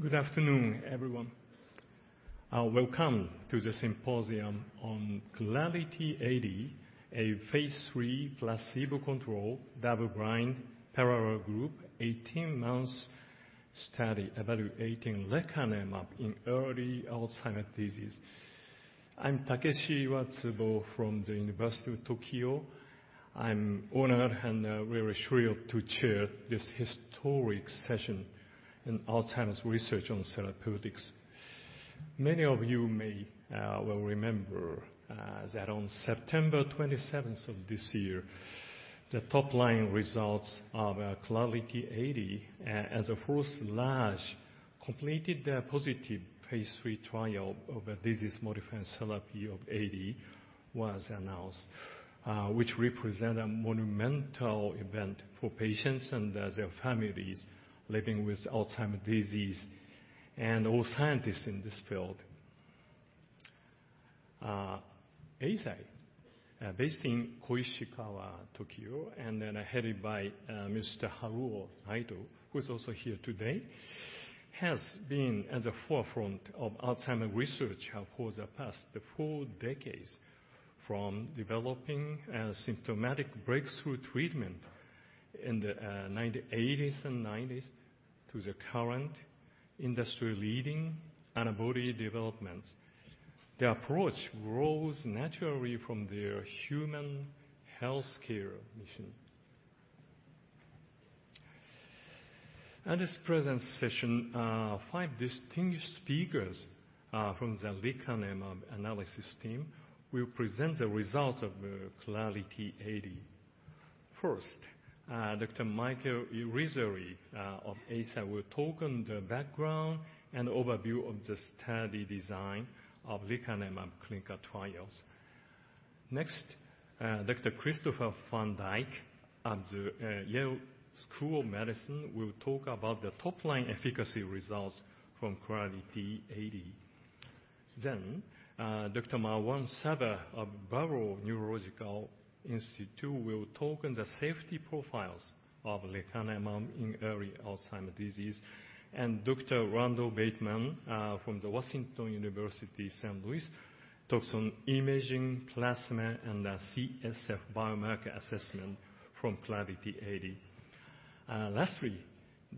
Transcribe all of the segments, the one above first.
Good afternoon, everyone. Welcome to the symposium on Clarity AD, a phase III placebo-controlled, double-blind, parallel group, 18-month study evaluating lecanemab in early Alzheimer's disease. I'm Takeshi Iwatsubo from the University of Tokyo. I'm honored and very thrilled to chair this historic session in Alzheimer's research on therapeutics. Many of you may will remember that on September 27th of this year, the top-line results of Clarity AD as a first large completed the positive phase III trial of a disease-modifying therapy of AD was announced, which represent a monumental event for patients and their families living with Alzheimer's disease and all scientists in this field. Eisai, based in Koishikawa, Tokyo, and headed by Mr. Haruo Naito, who's also here today, has been at the forefront of Alzheimer's research for the past four decades. From developing a symptomatic breakthrough treatment in the 1980s and 1990s to the current industry-leading antibody developments. Their approach grows naturally from their human healthcare mission. At this present session, five distinguished speakers from the lecanemab analysis team will present the results of Clarity AD. First, Dr. Michael Irizarry of Eisai will talk on the background and overview of the study design of lecanemab clinical trials. Next, Dr. Christopher Van Dyck of the Yale School of Medicine will talk about the top-line efficacy results from Clarity AD. Then, Dr. Marwan Sabbagh of Barrow Neurological Institute will talk on the safety profiles of lecanemab in early Alzheimer's disease. Dr. Randall Bateman from Washington University in St. Louis talks on imaging, plasma, and CSF biomarker assessment from Clarity AD. Lastly,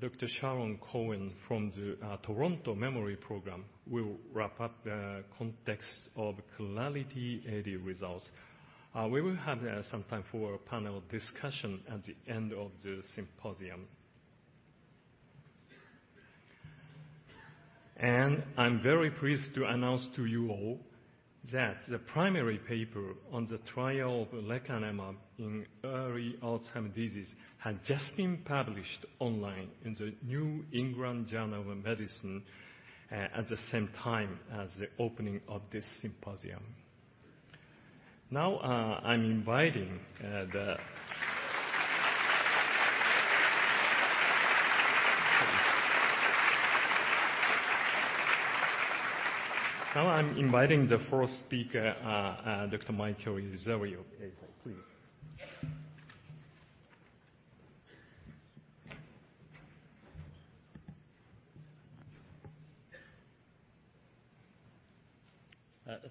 Dr. Sharon Cohen from the Toronto Memory Program will wrap up the context of Clarity AD results. We will have some time for a panel discussion at the end of the symposium. I'm very pleased to announce to you all that the primary paper on the trial of lecanemab in early Alzheimer's disease has just been published online in The New England Journal of Medicine at the same time as the opening of this symposium. Now I'm inviting the first speaker, Dr. Michael Irizarry of Eisai. Please.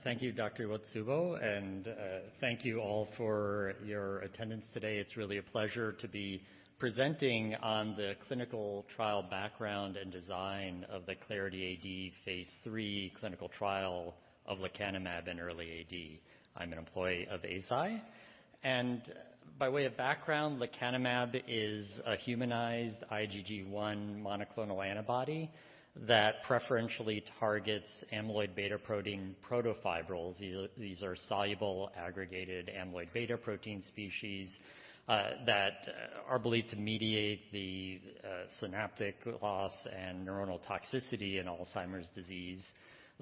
Thank you, Dr. Iwatsubo, and thank you all for your attendance today. It's really a pleasure to be presenting on the clinical trial background and design of the Clarity AD phase III clinical trial of lecanemab in early AD. I'm an employee of Eisai. By way of background, lecanemab is a humanized IgG1 monoclonal antibody that preferentially targets amyloid beta protein protofibrils. These are soluble aggregated amyloid beta protein species that are believed to mediate the synaptic loss and neuronal toxicity in Alzheimer's disease.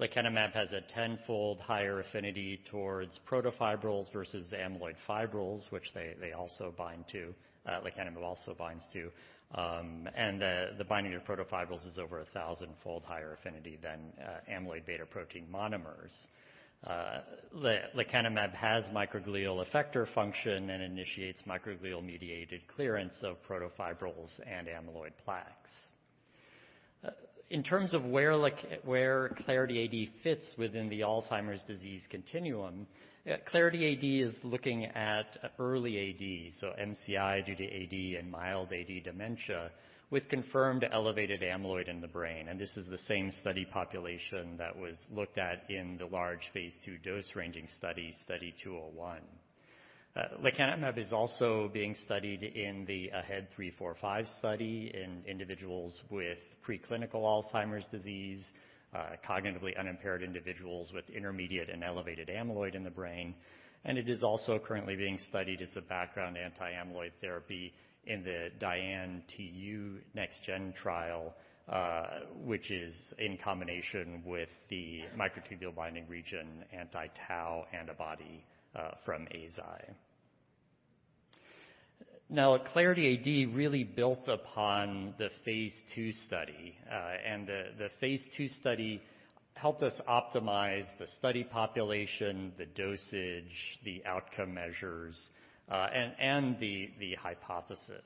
Lecanemab has a 10-fold higher affinity towards protofibrils versus amyloid fibrils, which they also bind to, lecanemab also binds to. The binding of protofibrils is over a 1,000-fold higher affinity than amyloid beta protein monomers. Lecanemab has microglial effector function and initiates microglial-mediated clearance of protofibrils and amyloid plaques. In terms of where Clarity AD fits within the Alzheimer's disease continuum, Clarity AD is looking at early AD, so MCI due to AD and mild AD dementia with confirmed elevated amyloid in the brain. This is the same study population that was looked at in the large phase II dose-ranging study, Study 201. Lecanemab is also being studied in the AHEAD 3-45 study in individuals with preclinical Alzheimer's disease, cognitively unimpaired individuals with intermediate and elevated amyloid in the brain. It is also currently being studied as a background anti-amyloid therapy in the DIAN-TU NexGen trial, which is in combination with the microtubule binding region, anti-tau antibody from Eisai. Clarity AD really built upon the phase II study. The phase II study helped us optimize the study population, the dosage, the outcome measures, and the hypothesis.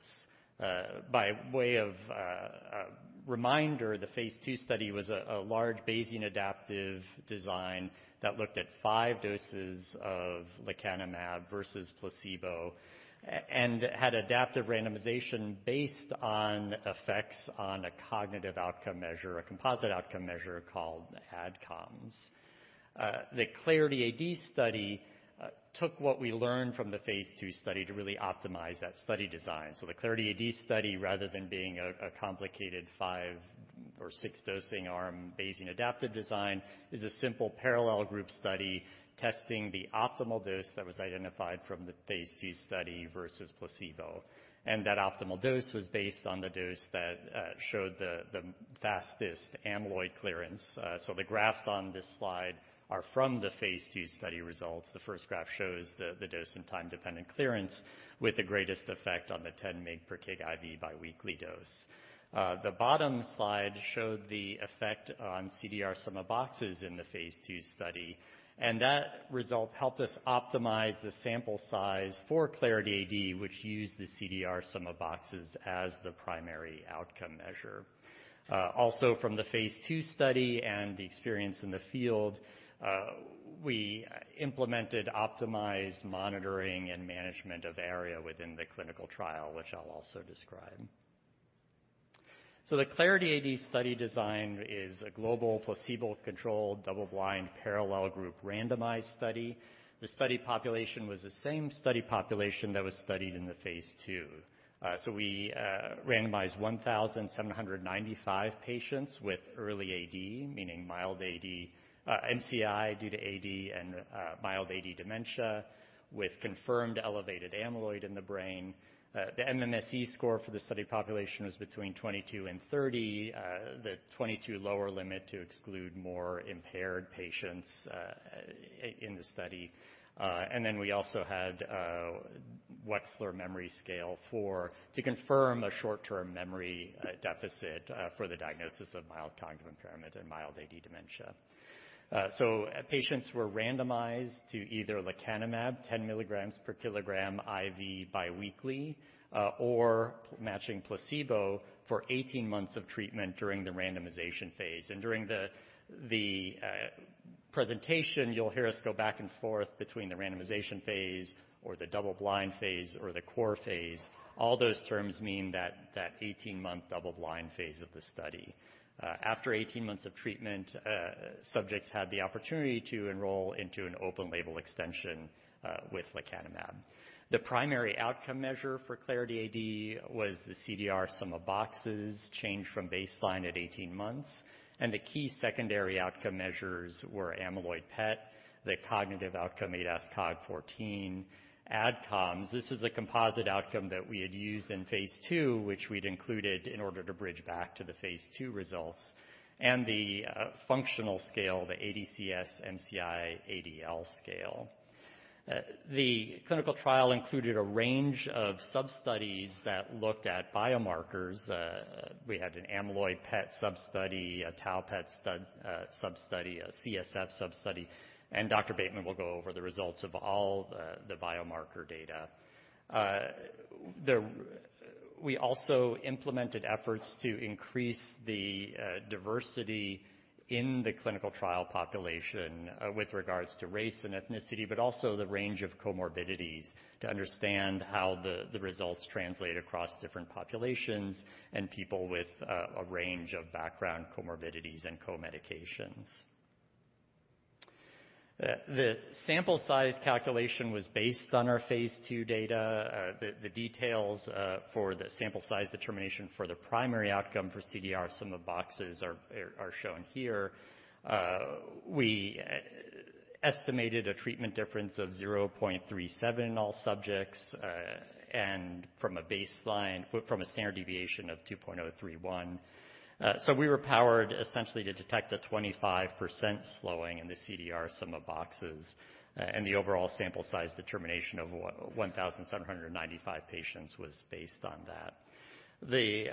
By way of a reminder, the phase II study was a large Bayesian adaptive design that looked at five doses of lecanemab versus placebo and had adaptive randomization based on effects on a cognitive outcome measure, a composite outcome measure called ADCOMS. The Clarity AD study took what we learned from the phase II study to really optimize that study design. The Clarity AD study, rather than being a complicated five or six dosing arm Bayesian adaptive design, is a simple parallel group study testing the optimal dose that was identified from the phase II study versus placebo. That optimal dose was based on the dose that showed the fastest amyloid clearance. The graphs on this slide are from the phase II study results. The first graph shows the dose and time-dependent clearance with the greatest effect on the 10 mg per kg IV bi-weekly dose. The bottom slide showed the effect on CDR-SB in the phase II study, and that result helped us optimize the sample size for Clarity AD, which used the CDR-SB as the primary outcome measure. Also from the phase II study and the experience in the field, we implemented optimized monitoring and management of ARIA within the clinical trial, which I'll also describe. The Clarity AD study design is a global placebo-controlled double-blind parallel group randomized study. The study population was the same study population that was studied in the phase II. We randomized 1,795 patients with early AD, meaning mild AD, MCI due to AD and mild AD dementia with confirmed elevated amyloid in the brain. The MMSE score for the study population was between 22 and 30, the 22 lower limit to exclude more impaired patients in the study. We also had Wechsler Memory Scale to confirm a short-term memory deficit for the diagnosis of mild cognitive impairment and mild AD dementia. Patients were randomized to either lecanemab 10 milligrams per kilogram IV bi-weekly or matching placebo for 18 months of treatment during the randomization phase. During the presentation, you'll hear us go back and forth between the randomization phase or the double-blind phase or the core phase. All those terms mean that 18-month double-blind phase of the study. After 18 months of treatment, subjects had the opportunity to enroll into an open-label extension with lecanemab. The primary outcome measure for Clarity AD was the CDR sum of boxes changed from baseline at 18 months. The key secondary outcome measures were amyloid PET, the cognitive outcome ADAS-Cog14, ADCOMS. This is a composite outcome that we had used in phase two, which we'd included in order to bridge back to the phase two results, the functional scale, the ADCS-MCI-ADL scale. The clinical trial included a range of sub-studies that looked at biomarkers. We had an amyloid PET sub-study, a tau PET sub-study, a CSF sub-study. Dr. Bateman will go over the results of all the biomarker data. We also implemented efforts to increase the diversity in the clinical trial population with regards to race and ethnicity, but also the range of comorbidities to understand how the results translate across different populations and people with a range of background comorbidities and co-medications. The sample size calculation was based on our phase II data. The details for the sample size determination for the primary outcome for CDR Sum of Boxes are shown here. We estimated a treatment difference of 0.37 in all subjects, and from a standard deviation of 2.031. So we were powered essentially to detect a 25% slowing in the CDR Sum of Boxes, and the overall sample size determination of 1,795 patients was based on that. The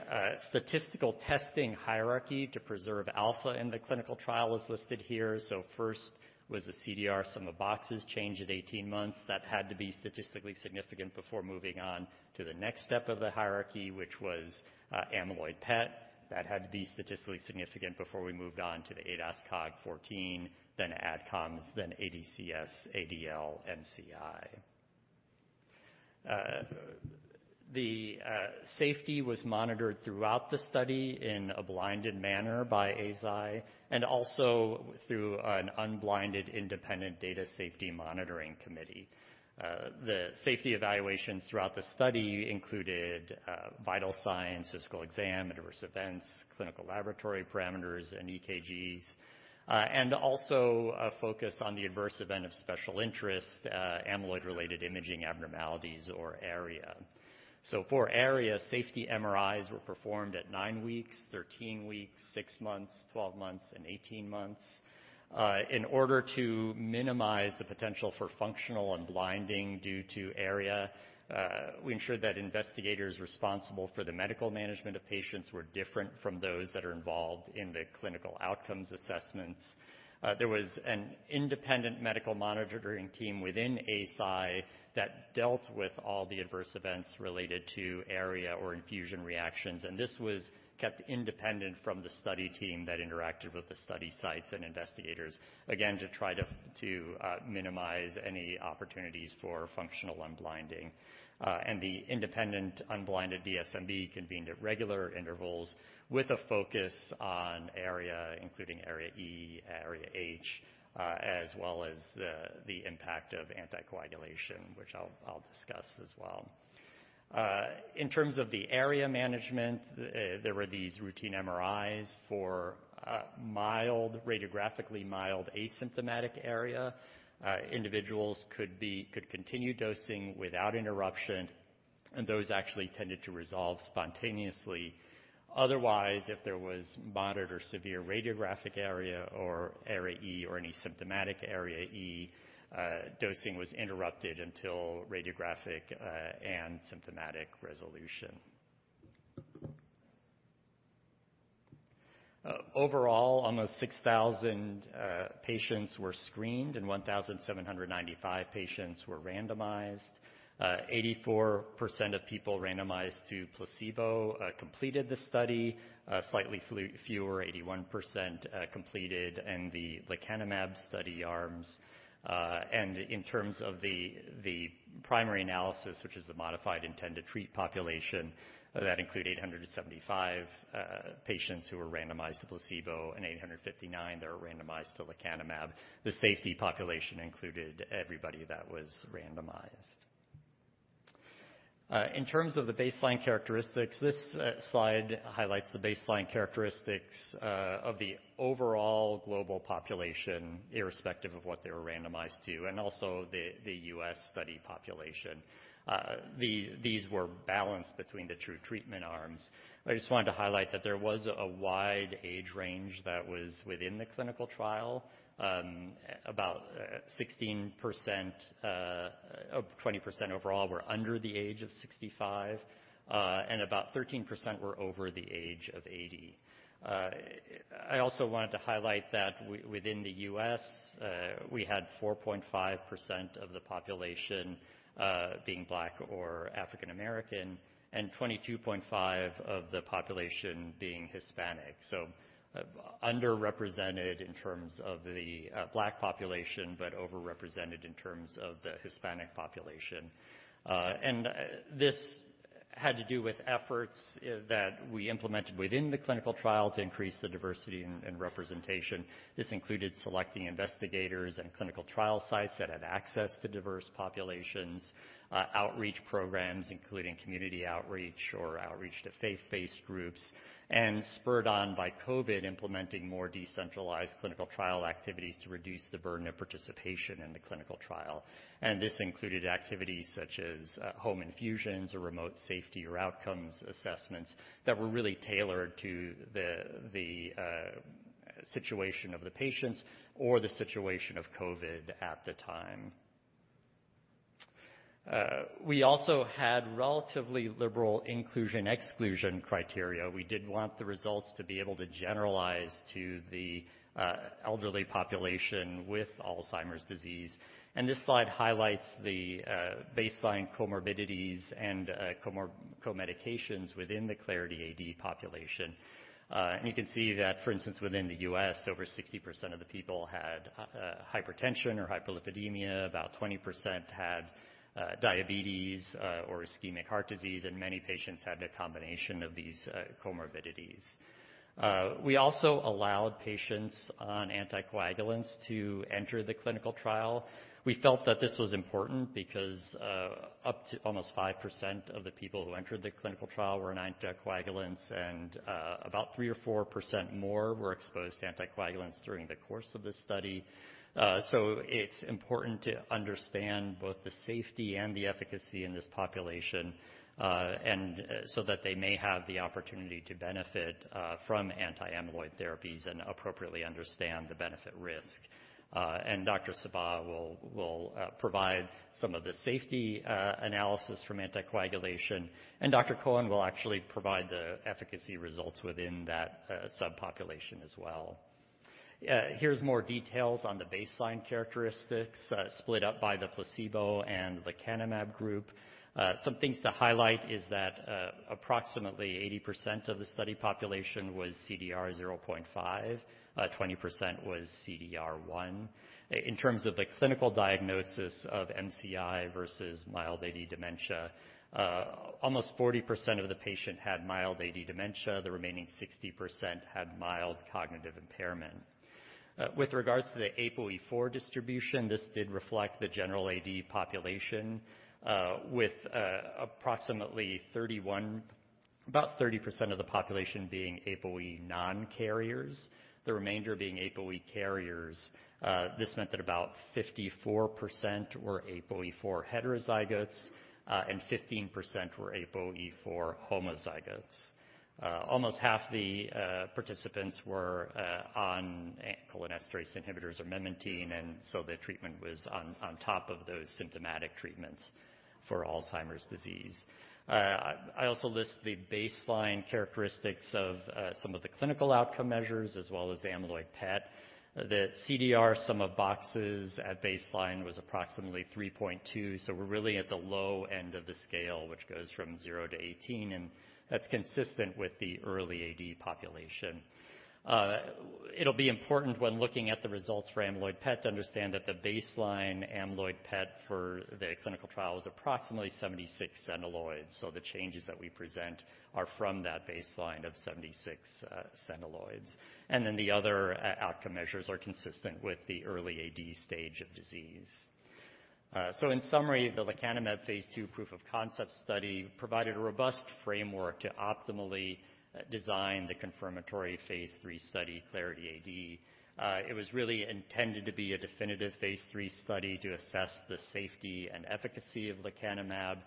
statistical testing hierarchy to preserve alpha in the clinical trial is listed here. First was the CDR Sum of Boxes change at 18 months. That had to be statistically significant before moving on to the next step of the hierarchy, which was amyloid PET. That had to be statistically significant before we moved on to the ADAS-Cog14, then ADCOMS, then ADCS-ADL-MCI. The safety was monitored throughout the study in a blinded manner by ASI, and also through an unblinded independent data safety monitoring committee. The safety evaluations throughout the study included vital signs, physical exam, adverse events, clinical laboratory parameters, and EKGs. Also a focus on the adverse event of special interest, amyloid-related imaging abnormalities or ARIA. For ARIA, safety MRIs were performed at 9 weeks, 13 weeks, 6 months, 12 months, and 18 months. In order to minimize the potential for functional unblinding due to ARIA, we ensured that investigators responsible for the medical management of patients were different from those that are involved in the clinical outcomes assessments. There was an independent medical monitoring team within ASI that dealt with all the adverse events related to ARIA or infusion reactions. This was kept independent from the study team that interacted with the study sites and investigators, again, to try to minimize any opportunities for functional unblinding. The independent unblinded DSMB convened at regular intervals with a focus on ARIA, including ARIA-E, ARIA-H, as well as the impact of anticoagulation, which I'll discuss as well. In terms of the ARIA management, there were these routine MRIs for mild, radiographically mild, asymptomatic ARIA. Individuals could be... could continue dosing without interruption. Those actually tended to resolve spontaneously. Otherwise, if there was moderate or severe radiographic ARIA or ARIA-E or any symptomatic ARIA-E, dosing was interrupted until radiographic and symptomatic resolution. Overall, almost 6,000 patients were screened and 1,795 patients were randomized. 84% of people randomized to placebo completed the study. Slightly fewer, 81%, completed in the lecanemab study arms. In terms of the primary analysis, which is the modified intention-to-treat population, that include 875 patients who were randomized to placebo and 859 that were randomized to lecanemab. The safety population included everybody that was randomized. In terms of the baseline characteristics, this slide highlights the baseline characteristics of the overall global population, irrespective of what they were randomized to, and also the US study population. These were balanced between the two treatment arms. I just wanted to highlight that there was a wide age range that was within the clinical trial. About 16% or 20% overall were under the age of 65, and about 13% were over the age of 80. I also wanted to highlight that within the US, we had 4.5% of the population being Black or African American, and 22.5% of the population being Hispanic. Underrepresented in terms of the Black population, but overrepresented in terms of the Hispanic population. This had to do with efforts that we implemented within the clinical trial to increase the diversity and representation. This included selecting investigators and clinical trial sites that had access to diverse populations, outreach programs, including community outreach or outreach to faith-based groups. Spurred on by COVID, implementing more decentralized clinical trial activities to reduce the burden of participation in the clinical trial. This included activities such as home infusions or remote safety or outcomes assessments that were really tailored to the situation of the patients or the situation of COVID at the time. We also had relatively liberal inclusion/exclusion criteria. We did want the results to be able to generalize to the elderly population with Alzheimer's disease. This slide highlights the baseline comorbidities and co-medications within the Clarity AD population. You can see that, for instance, within the U.S., over 60% of the people had hypertension or hyperlipidemia, about 20% had diabetes or ischemic heart disease, and many patients had a combination of these comorbidities. We also allowed patients on anticoagulants to enter the clinical trial. We felt that this was important because, up to almost 5% of the people who entered the clinical trial were on anticoagulants and about 3% or 4% more were exposed to anticoagulants during the course of this study. It's important to understand both the safety and the efficacy in this population, and so that they may have the opportunity to benefit from anti-amyloid therapies and appropriately understand the benefit risk. Dr. Sabbagh will provide some of the safety analysis from anticoagulation, Dr. Cohen will actually provide the efficacy results within that subpopulation as well. Here's more details on the baseline characteristics split up by the placebo and lecanemab group. Some things to highlight is that approximately 80% of the study population was CDR 0.5, 20% was CDR 1. In terms of the clinical diagnosis of MCI versus mild AD dementia, almost 40% of the patient had mild AD dementia, the remaining 60% had mild cognitive impairment. With regards to the APOE4 distribution, this did reflect the general AD population, with approximately 30% of the population being APOE non-carriers, the remainder being APOE carriers. This meant that about 54% were APOE4 heterozygotes, and 15% were APOE4 homozygotes. Almost half the participants were on cholinesterase inhibitors or memantine, the treatment was on top of those symptomatic treatments for Alzheimer's disease. I also list the baseline characteristics of some of the clinical outcome measures as well as amyloid PET. The CDR Sum of Boxes at baseline was approximately 3.2, we're really at the low end of the scale, which goes from 0 to 18, that's consistent with the early AD population. It'll be important when looking at the results for amyloid PET to understand that the baseline amyloid PET for the clinical trial is approximately 76 centiloids, the changes that we present are from that baseline of 76 centiloids. The other outcome measures are consistent with the early AD stage of disease. In summary, the lecanemab phase II proof of concept study provided a robust framework to optimally design the confirmatory phase III study, Clarity AD. It was really intended to be a definitive phase III study to assess the safety and efficacy of lecanemab,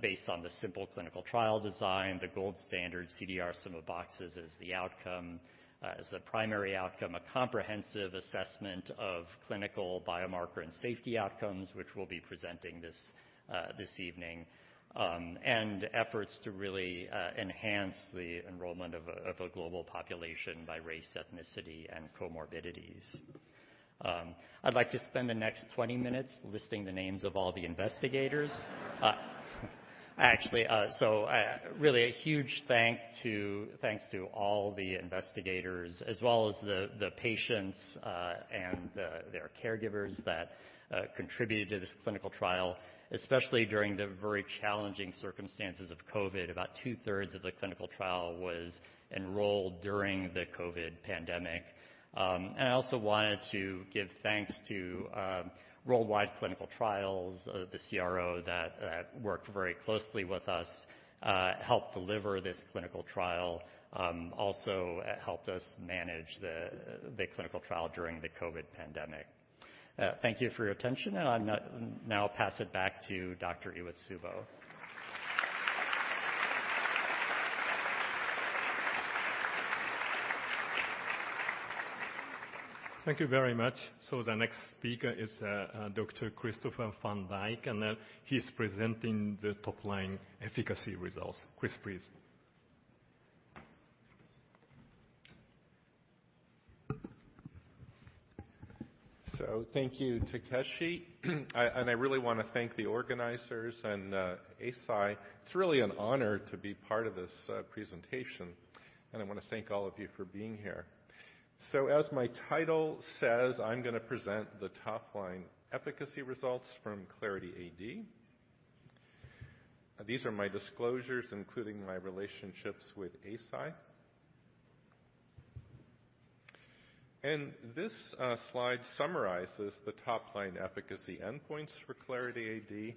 based on the simple clinical trial design, the gold standard CDR-SB as the outcome, as the primary outcome, a comprehensive assessment of clinical biomarker and safety outcomes, which we'll be presenting this evening, and efforts to really enhance the enrollment of a global population by race, ethnicity, and comorbidities. I'd like to spend the next 20 minutes listing the names of all the investigators. Actually, really a huge thank to, thanks to all the investigators as well as the patients and their caregivers that contributed to this clinical trial, especially during the very challenging circumstances of COVID. About two-thirds of the clinical trial was enrolled during the COVID pandemic. And I also wanted to give thanks to Worldwide Clinical Trials, the CRO that worked very closely with us, helped deliver this clinical trial, also helped us manage the clinical trial during the COVID pandemic. Thank you for your attention, and I'm now pass it back to Dr. Iwatsubo. Thank you very much. The next speaker is Dr. Christopher Van Dyck, and he's presenting the top line efficacy results. Chris, please. Thank you, Takeshi. I really wanna thank the organizers and Eisai. It's really an honor to be part of this presentation, and I wanna thank all of you for being here. These are my disclosures, including my relationships with Eisai. This slide summarizes the top line efficacy endpoints for Clarity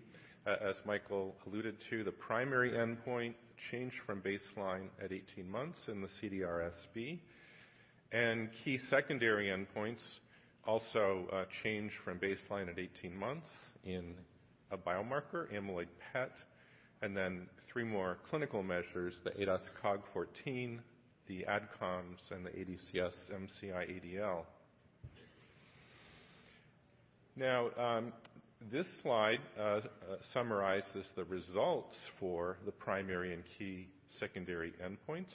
AD. As Michael alluded to, the primary endpoint changed from baseline at 18 months in the CDR-SB. Key secondary endpoints also changed from baseline at 18 months in a biomarker amyloid PET. 3 more clinical measures, the ADAS-Cog14, the ADCOMS, and the ADCS-MCI-ADL. Now, this slide summarizes the results for the primary and key secondary endpoints.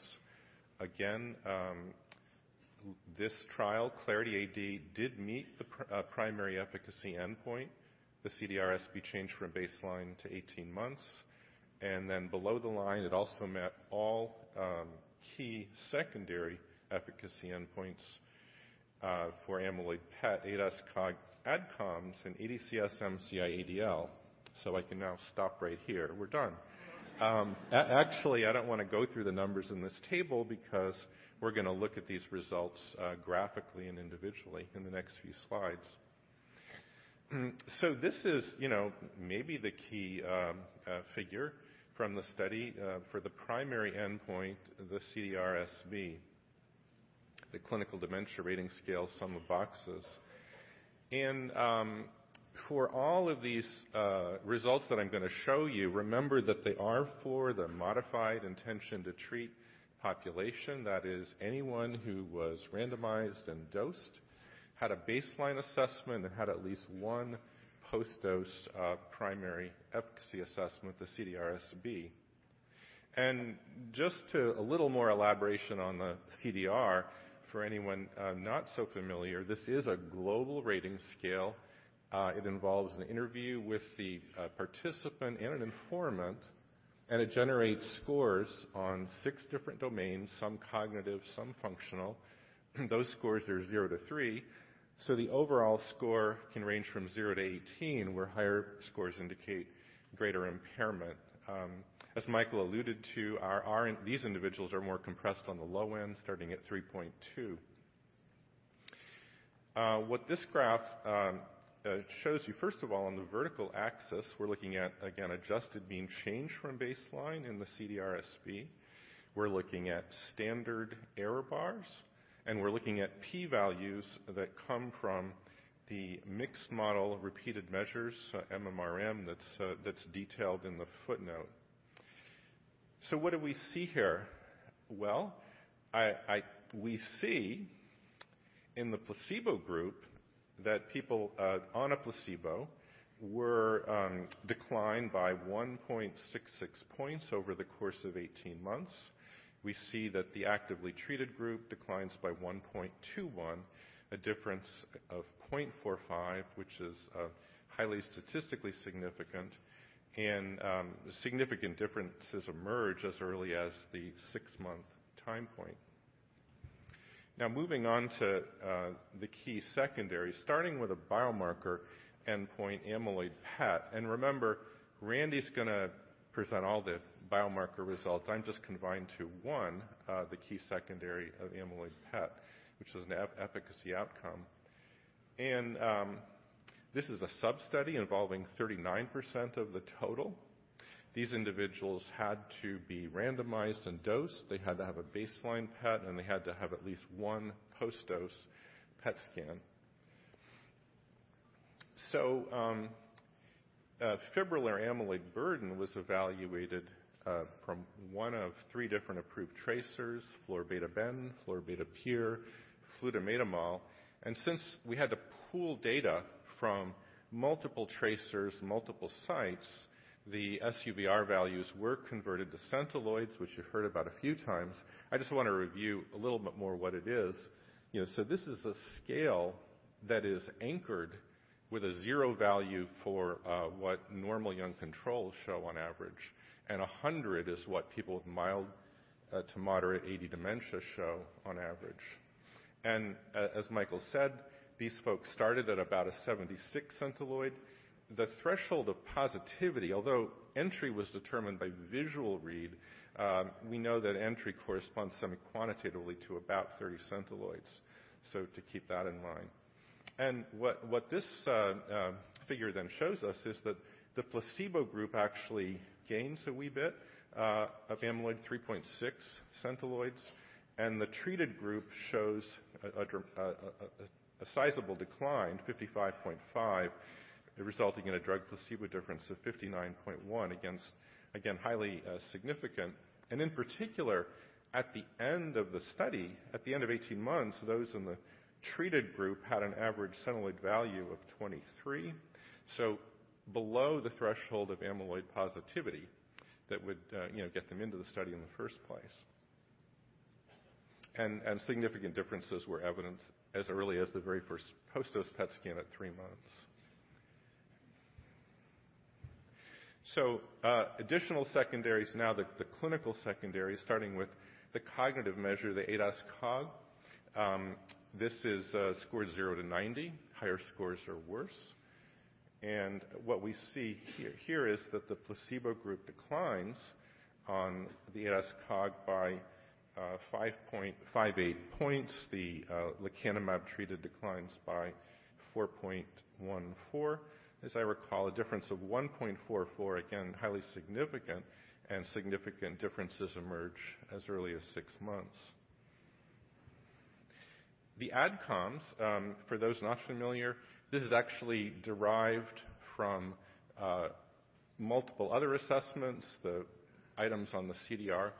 This trial, Clarity AD, did meet the primary efficacy endpoint, the CDRSB change from baseline to 18 months. Below the line, it also met all key secondary efficacy endpoints for amyloid PET, ADAS-Cog, ADCOMS, and ADCS-MCI-ADL. I can now stop right here. We're done. Actually, I don't wanna go through the numbers in this table because we're gonna look at these results graphically and individually in the next few slides. This is, you know, maybe the key figure from the study for the primary endpoint, the CDRSB, the Clinical Dementia Rating Scale Sum of Boxes. For all of these results that I'm gonna show you, remember that they are for the modified intention-to-treat population, that is anyone who was randomized and dosed, had a baseline assessment, and had at least one post-dose primary efficacy assessment, the CDR-SB. Just to a little more elaboration on the CDR for anyone not so familiar, this is a global rating scale. It involves an interview with the participant and an informant. It generates scores on six different domains, some cognitive, some functional. Those scores are zero to three. The overall score can range from zero to 18, where higher scores indicate greater impairment. As Michael alluded to, these individuals are more compressed on the low end, starting at 3.2. What this graph shows you, first of all, on the vertical axis, we're looking at, again, adjusted mean change from baseline in the CDR-SB. We're looking at standard error bars, and we're looking at p-values that come from the mixed model repeated measures, MMRM, that's detailed in the footnote. What do we see here? Well, we see in the placebo group that people on a placebo were declined by 1.66 points over the course of 18 months. We see that the actively treated group declines by 1.21, a difference of 0.45, which is highly statistically significant. Significant differences emerge as early as the six-month time point. Moving on to the key secondary, starting with a biomarker endpoint amyloid PET. Remember, Randy's gonna present all the biomarker results. I'm just confined to one, the key secondary of amyloid PET, which was an efficacy outcome. This is a sub-study involving 39% of the total. These individuals had to be randomized and dosed. They had to have a baseline PET, and they had to have at least one post-dose PET scan. Fibrillar amyloid burden was evaluated from one of three different approved tracers: florbetaben, florbetapir, flutemetamol. Since we had to pool data from multiple tracers, multiple sites, the SUVR values were converted to Centiloids, which you've heard about a few times. I just wanna review a little bit more what it is. You know, so this is a scale that is anchored with a zero value for what normal young controls show on average, and 100 is what people with mild to moderate AD dementia show on average. As Michael said, these folks started at about a 76 Centiloids. The threshold of positivity, although entry was determined by visual read, we know that entry corresponds somewhat quantitatively to about 30 Centiloids, so to keep that in mind. What this figure then shows us is that the placebo group actually gains a wee bit of amyloid 3.6 Centiloids, and the treated group shows a sizable decline, 55.5, resulting in a drug placebo difference of 59.1 against. Again, highly significant. In particular, at the end of the study, at the end of 18 months, those in the treated group had an average Centiloid value of 23, so below the threshold of amyloid positivity that would, you know, get them into the study in the first place. Significant differences were evident as early as the very first post-dose PET scan at three months. Additional secondaries now, the clinical secondaries, starting with the cognitive measure, the ADAS-Cog. This is scored zero to 90. Higher scores are worse. What we see here is that the placebo group declines on the ADAS-Cog by 5.58 points. The lecanemab treated declines by 4.14. As I recall, a difference of 1.44, again, highly significant, and significant differences emerge as early as 6 months. The ADCOMS, for those not familiar, this is actually derived from multiple other assessments, the items on the CDR,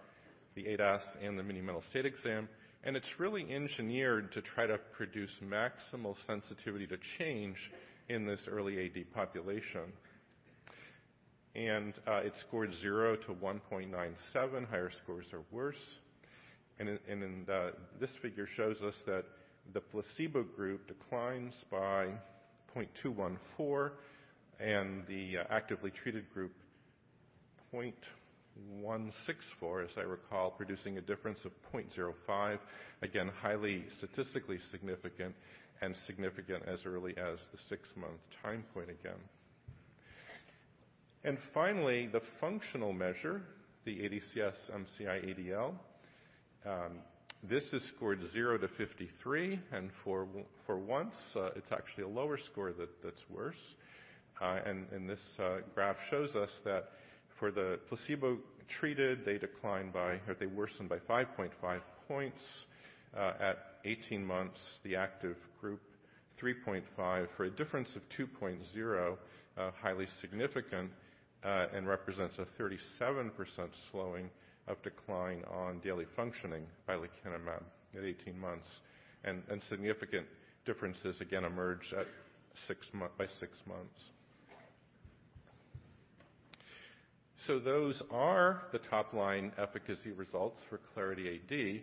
the ADAS, and the Mini-Mental State Examination. It's really engineered to try to produce maximal sensitivity to change in this early AD population. It's scored zero to 1.97. Higher scores are worse. This figure shows us that the placebo group declines by 0.214 and the actively treated group 0.164, as I recall, producing a difference of 0.05. Again, highly statistically significant and significant as early as the 6-month time point again. Finally, the functional measure, the ADCS-MCI-ADL. This is scored 0 to 53. For once, it's actually a lower score that's worse. This graph shows us that for the placebo-treated, they decline by or they worsen by 5.5 points. At 18 months, the active group 3.5 for a difference of 2.0, highly significant, represents a 37% slowing of decline on daily functioning by lecanemab at 18 months. Significant differences again emerge by 6 months. Those are the top-line efficacy results for Clarity AD.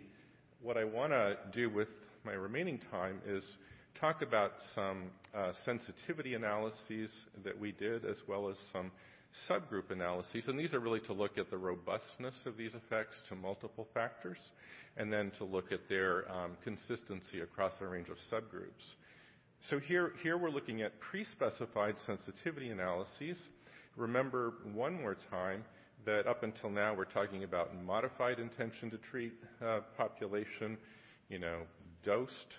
What I wanna do with my remaining time is talk about some sensitivity analyses that we did as well as some subgroup analyses. These are really to look at the robustness of these effects to multiple factors, then to look at their consistency across a range of subgroups. Here we're looking at pre-specified sensitivity analyses. Remember one more time that up until now we're talking about modified intention-to-treat population, you know, dosed,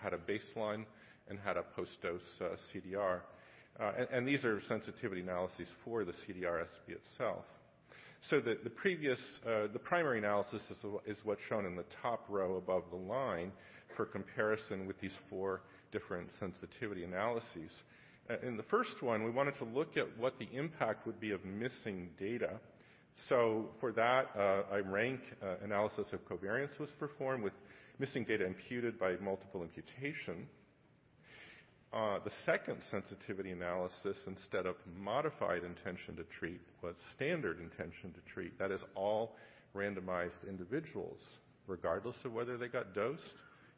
had a baseline, and had a post-dose CDR. And these are sensitivity analyses for the CDRSB itself. The primary analysis is what's shown in the top row above the line for comparison with these four different sensitivity analyses. In the first one, we wanted to look at what the impact would be of missing data. For that, a rank analysis of covariance was performed with missing data imputed by multiple imputation. The second sensitivity analysis instead of modified intention-to-treat was standard intention-to-treat. That is all randomized individuals, regardless of whether they got dosed.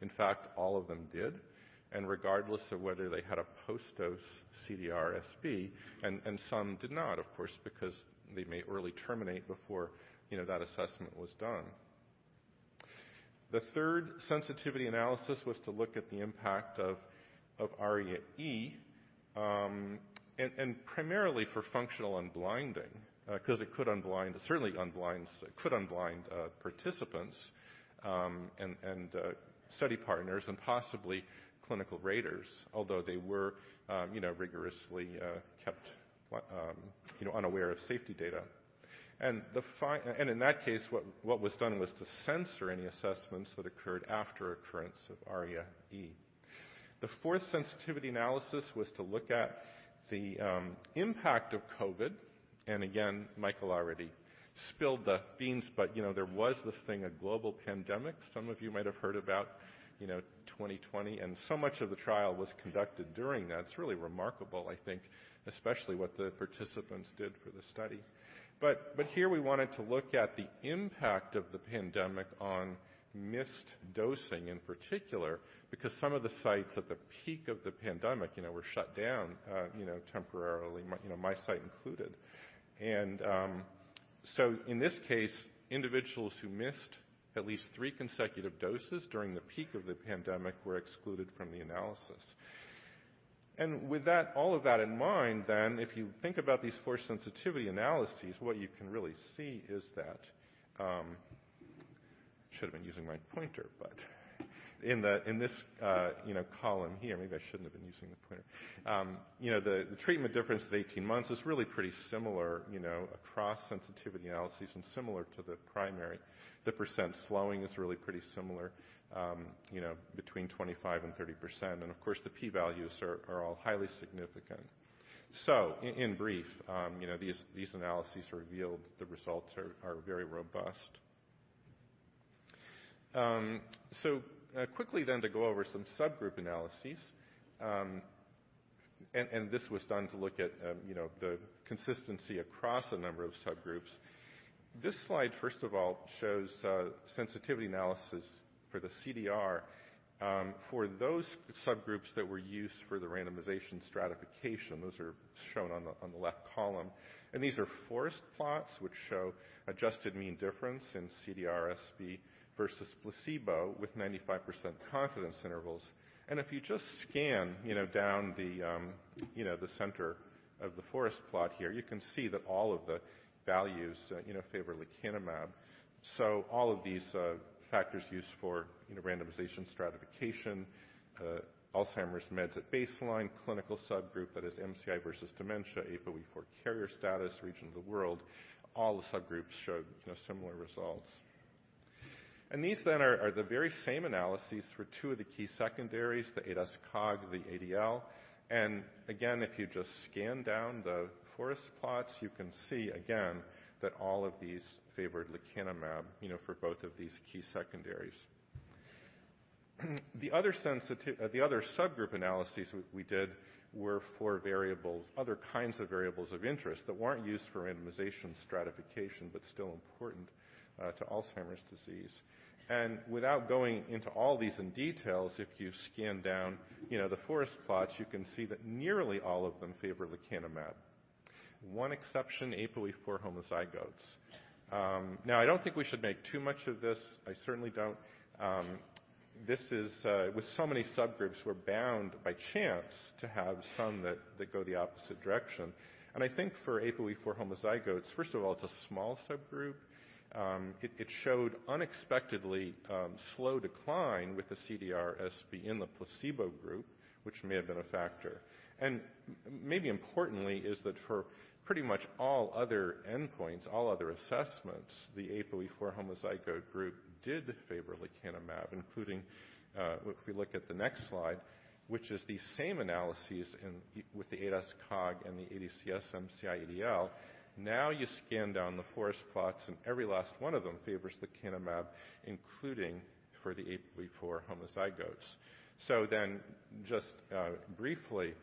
In fact, all of them did. Regardless of whether they had a post-dose CDR-SB, and some did not, of course, because they may early terminate before, you know, that assessment was done. The third sensitivity analysis was to look at the impact of ARIA-E, and primarily for functional unblinding, 'cause it could unblind. It certainly could unblind participants, and study partners and possibly clinical raters, although they were, you know, rigorously kept, you know, unaware of safety data. In that case, what was done was to censor any assessments that occurred after occurrence of ARIA-E. The fourth sensitivity analysis was to look at the impact of COVID. Again, Michael already spilled the beans, you know, there was this thing, a global pandemic. Some of you might have heard about, you know, 2020, and so much of the trial was conducted during that. It's really remarkable, I think, especially what the participants did for the study. Here we wanted to look at the impact of the pandemic on missed dosing in particular, because some of the sites at the peak of the pandemic, you know, were shut down, you know, temporarily. You know, my site included. In this case, individuals who missed at least three consecutive doses during the peak of the pandemic were excluded from the analysis. With that, all of that in mind then, if you think about these 4 sensitivity analyses, what you can really see is that... Should've been using my pointer, but in this, you know, column here. Maybe I shouldn't have been using the pointer. you know, the treatment difference at 18 months is really pretty similar, you know, across sensitivity analyses and similar to the primary. The percent slowing is really pretty similar, you know, between 25% and 30%. Of course, the P values are all highly significant. In brief, you know, these analyses revealed the results are very robust. quickly then to go over some subgroup analyses. This was done to look at, you know, the consistency across a number of subgroups. This slide, first of all, shows sensitivity analysis for the CDR, for those subgroups that were used for the randomization stratification. Those are shown on the left column. These are forest plots which show adjusted mean difference in CDR-SB versus placebo with 95% confidence intervals. If you just scan, you know, down the, you know, the center of the forest plot here, you can see that all of the values, you know, favor lecanemab. All of these factors used for, you know, randomization stratification, Alzheimer's meds at baseline, clinical subgroup that is MCI versus dementia, APOE4 carrier status, region of the world, all the subgroups showed, you know, similar results. These then are the very same analyses for two of the key secondaries, the ADAS-Cog, the ADL. If you just scan down the forest plots, you can see again that all of these favored lecanemab, you know, for both of these key secondaries. The other subgroup analyses we did were for variables, other kinds of variables of interest that weren't used for randomization stratification but still important to Alzheimer's disease. Without going into all these in details, if you scan down, you know, the forest plots, you can see that nearly all of them favor lecanemab. One exception, APOE4 homozygotes. Now I don't think we should make too much of this. I certainly don't. This is with so many subgroups, we're bound by chance to have some that go the opposite direction. I think for APOE4 homozygotes, first of all, it's a small subgroup. It showed unexpectedly slow decline with the CDR-SB in the placebo group, which may have been a factor. Maybe importantly is that for pretty much all other endpoints, all other assessments, the APOE4 homozygote group did favor lecanemab, including, if we look at the next slide, which is the same analyses with the ADAS-Cog and the ADCS MCI ADL. You scan down the forest plots, and every last one of them favors lecanemab, including for the APOE4 homozygotes. Just briefly.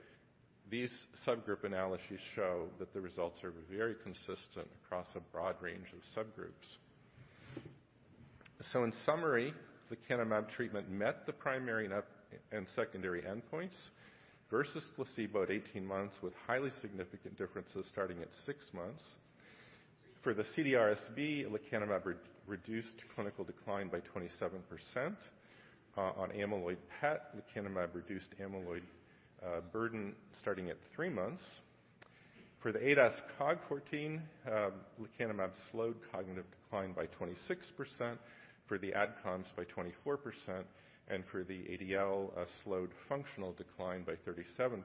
These subgroup analyses show that the results are very consistent across a broad range of subgroups. In summary, lecanemab treatment met the primary and secondary endpoints versus placebo at 18 months with highly significant differences starting at six months. For the CDRSB, lecanemab reduced clinical decline by 27%. On amyloid PET, lecanemab reduced amyloid burden starting at 3 months. For the ADAS-Cog14, lecanemab slowed cognitive decline by 26%, for the ADCOMS by 24%, and for the ADCS-MCI-ADL slowed functional decline by 37%.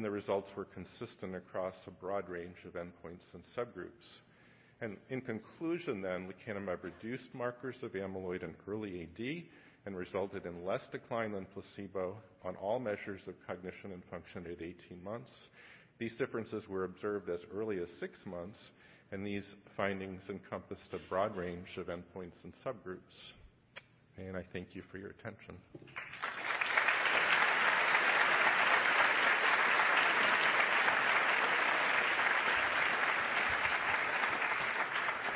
The results were consistent across a broad range of endpoints and subgroups. In conclusion, lecanemab reduced markers of amyloid and early AD and resulted in less decline than placebo on all measures of cognition and function at 18 months. These differences were observed as early as six months, these findings encompassed a broad range of endpoints and subgroups. I thank you for your attention.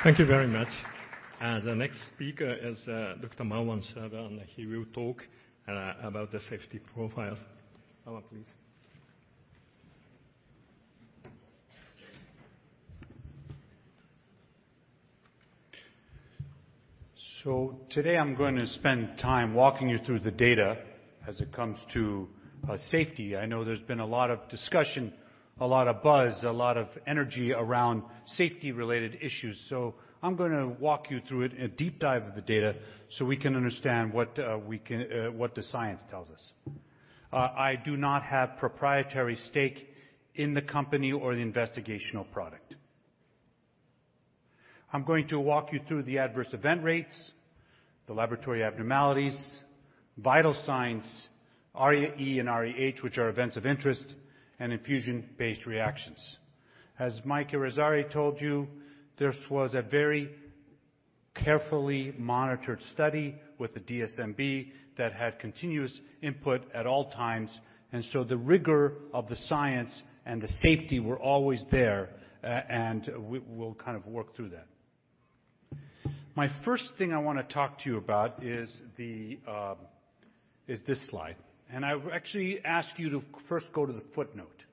Thank you very much. The next speaker is Dr. Marwan Sabbagh, and he will talk about the safety profiles. Marwan, please. Today I'm going to spend time walking you through the data as it comes to safety. I know there's been a lot of discussion, a lot of buzz, a lot of energy around safety-related issues. I'm gonna walk you through it in a deep dive of the data, so we can understand what the science tells us. I do not have proprietary stake in the company or the investigational product. I'm going to walk you through the adverse event rates, the laboratory abnormalities, vital signs, ARIA-E and ARIA-H, which are events of interest, and infusion-based reactions. As Mike Irizarry told you, this was a very carefully monitored study with the DSMB that had continuous input at all times. The rigor of the science and the safety were always there, and we'll kind of work through that. My first thing I wanna talk to you about is this slide. I actually ask you to first go to the footnote.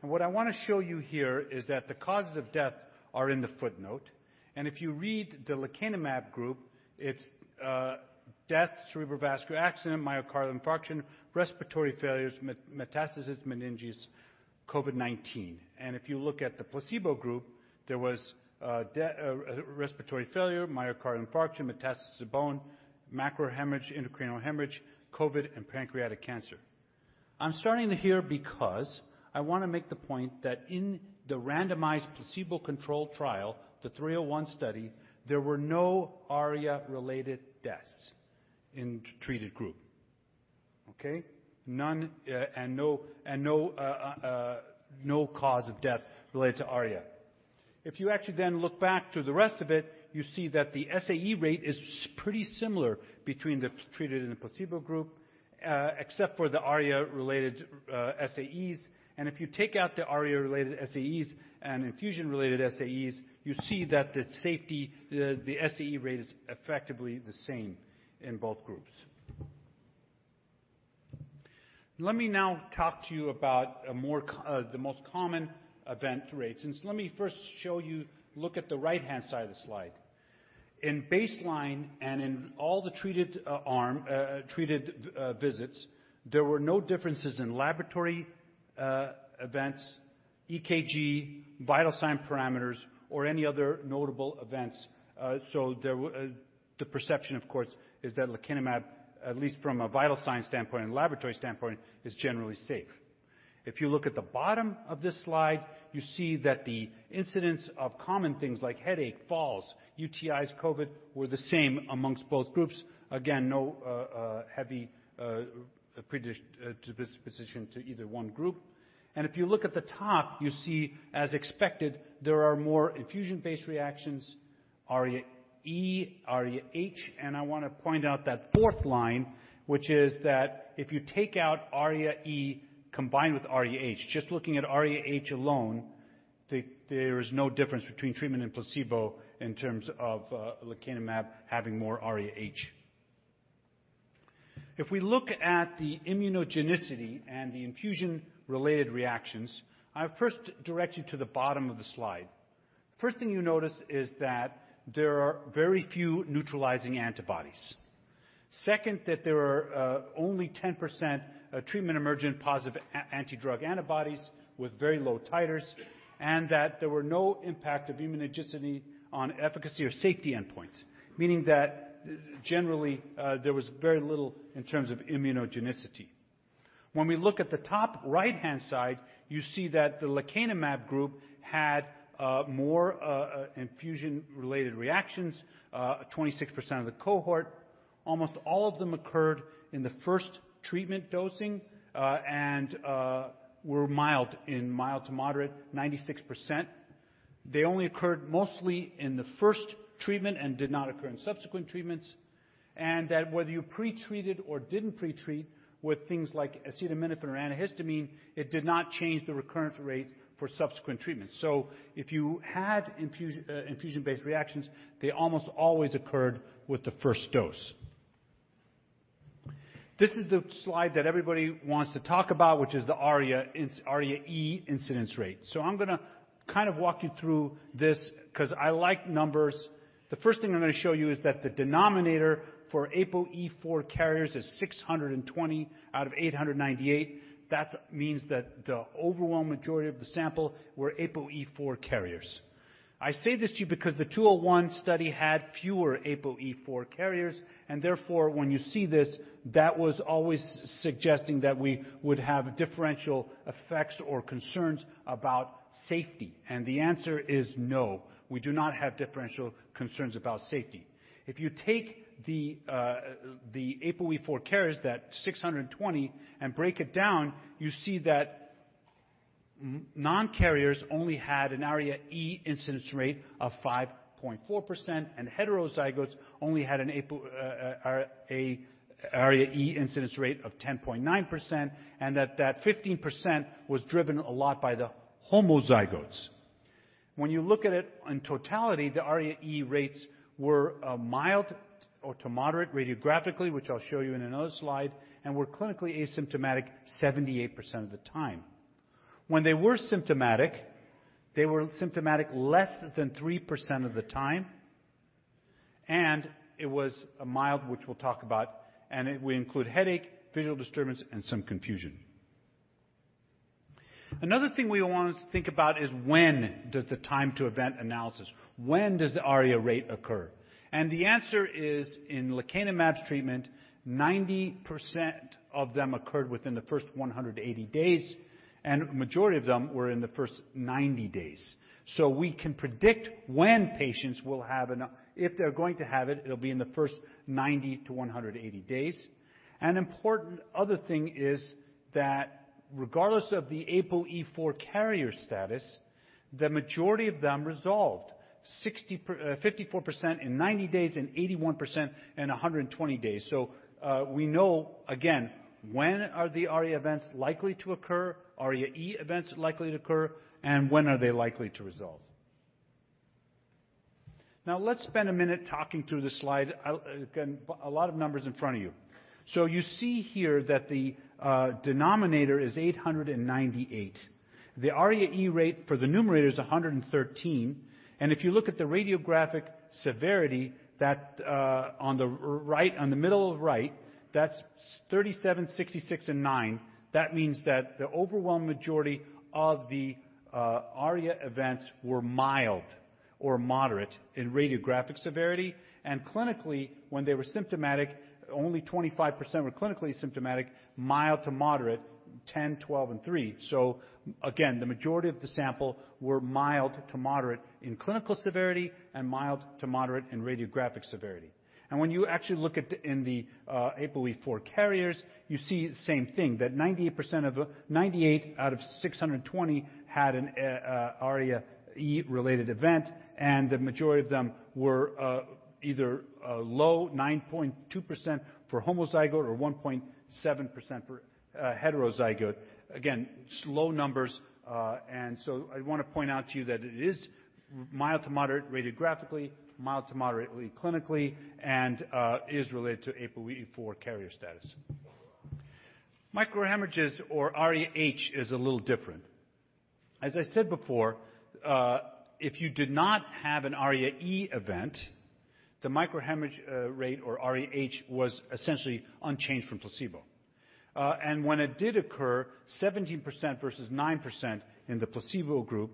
What I wanna show you here is that the causes of death are in the footnote, if you read the lecanemab group, it's death, cerebrovascular accident, myocardial infarction, respiratory failures, metastasis meninges, COVID-19. If you look at the placebo group, there was respiratory failure, myocardial infarction, metastasis to bone, macrohemorrhage, intracranial hemorrhage, COVID, and pancreatic cancer. I'm starting here because I wanna make the point that in the randomized placebo-controlled trial, the 301 study, there were no ARIA-related deaths in treated group. Okay? None, and no, and no cause of death related to ARIA. You actually look back to the rest of it, you see that the SAE rate is pretty similar between the treated and the placebo group, except for the ARIA-related SAEs. If you take out the ARIA-related SAEs and infusion-related SAEs, you see that the safety, the SAE rate is effectively the same in both groups. Let me now talk to you about the most common event rates. Let me first show you, look at the right-hand side of the slide. In baseline and in all the treated arm, treated visits, there were no differences in laboratory events, EKG, vital sign parameters, or any other notable events. There the perception, of course, is that lecanemab, at least from a vital signs standpoint and laboratory standpoint, is generally safe. If you look at the bottom of this slide, you see that the incidence of common things like headache, falls, UTIs, COVID were the same amongst both groups. Again, no heavy predisposition to either one group. If you look at the top, you see as expected, there are more infusion-based reactions, ARIA-E, ARIA-H. I wanna point out that fourth line, which is that if you take out ARIA-E combined with ARIA-H, just looking at ARIA-H alone, there is no difference between treatment and placebo in terms of lecanemab having more ARIA-H. If we look at the immunogenicity and the infusion-related reactions, I first direct you to the bottom of the slide. First thing you notice is that there are very few neutralizing antibodies. Second, that there are only 10% treatment emergent positive anti-drug antibodies with very low titers, and that there were no impact of immunogenicity on efficacy or safety endpoints. Meaning that generally, there was very little in terms of immunogenicity. When we look at the top right-hand side, you see that the lecanemab group had more infusion-related reactions, 26% of the cohort. Almost all of them occurred in the first treatment dosing, and were mild to moderate, 96%. They only occurred mostly in the first treatment and did not occur in subsequent treatments. Whether you pre-treated or didn't pre-treat with things like acetaminophen or antihistamine, it did not change the recurrence rate for subsequent treatments. If you had infusion-based reactions, they almost always occurred with the first dose. This is the slide that everybody wants to talk about, which is the ARIA-E incidence rate. I'm gonna kind of walk you through this 'cause I like numbers. The first thing I'm gonna show you is that the denominator for APOE4 carriers is 620 out of 898. That means that the overwhelming majority of the sample were APOE4 carriers. I say this to you because the 201 study had fewer APOE4 carriers and therefore when you see this, that was always suggesting that we would have differential effects or concerns about safety. The answer is no, we do not have differential concerns about safety. If you take the APOE4 carriers, that 620, and break it down, you see that non-carriers only had an ARIA-E incidence rate of 5.4%, and heterozygotes only had an ARIA-E incidence rate of 10.9%, and that 15% was driven a lot by the homozygotes. When you look at it in totality, the ARIA-E rates were mild to, or to moderate radiographically, which I'll show you in another slide, and were clinically asymptomatic 78% of the time. When they were symptomatic, they were symptomatic less than 3% of the time, and it was a mild, which we'll talk about, and it will include headache, visual disturbance, and some confusion. The answer is in lecanemab's treatment, 90% of them occurred within the first 180 days, and majority of them were in the first 90 days. We can predict when patients will have it'll be in the first 90-180 days. An important other thing is that regardless of the APOE4 carrier status, the majority of them resolved 54% in 90 days and 81% in 120 days. We know again, when are the ARIA events likely to occur, ARIA-E events likely to occur, and when are they likely to resolve. Now let's spend a minute talking through this slide. Again, a lot of numbers in front of you. You see here that the denominator is 898. The ARIA-E rate for the numerator is 113. If you look at the radiographic severity that on the right, on the middle right, that's 37, 66, and nine. That means that the overwhelming majority of the ARIA events were mild or moderate in radiographic severity. Clinically, when they were symptomatic, only 25% were clinically symptomatic, mild to moderate, 10, 12, and three. Again, the majority of the sample were mild to moderate in clinical severity and mild to moderate in radiographic severity. When you actually look at the APOE4 carriers, you see the same thing, that 90% of the... 98 out of 620 had an ARIA-E related event, and the majority of them were either low, 9.2% for homozygote or 1.7% for heterozygote. Again, just low numbers. I wanna point out to you that it is mild to moderate radiographically, mild to moderately clinically, and is related to APOE4 carrier status. Microhemorrhages or ARIA-H is a little different. As I said before, if you did not have an ARIA-E event, the microhemorrhage rate or ARIA-H was essentially unchanged from placebo. When it did occur, 17% versus 9% in the placebo group,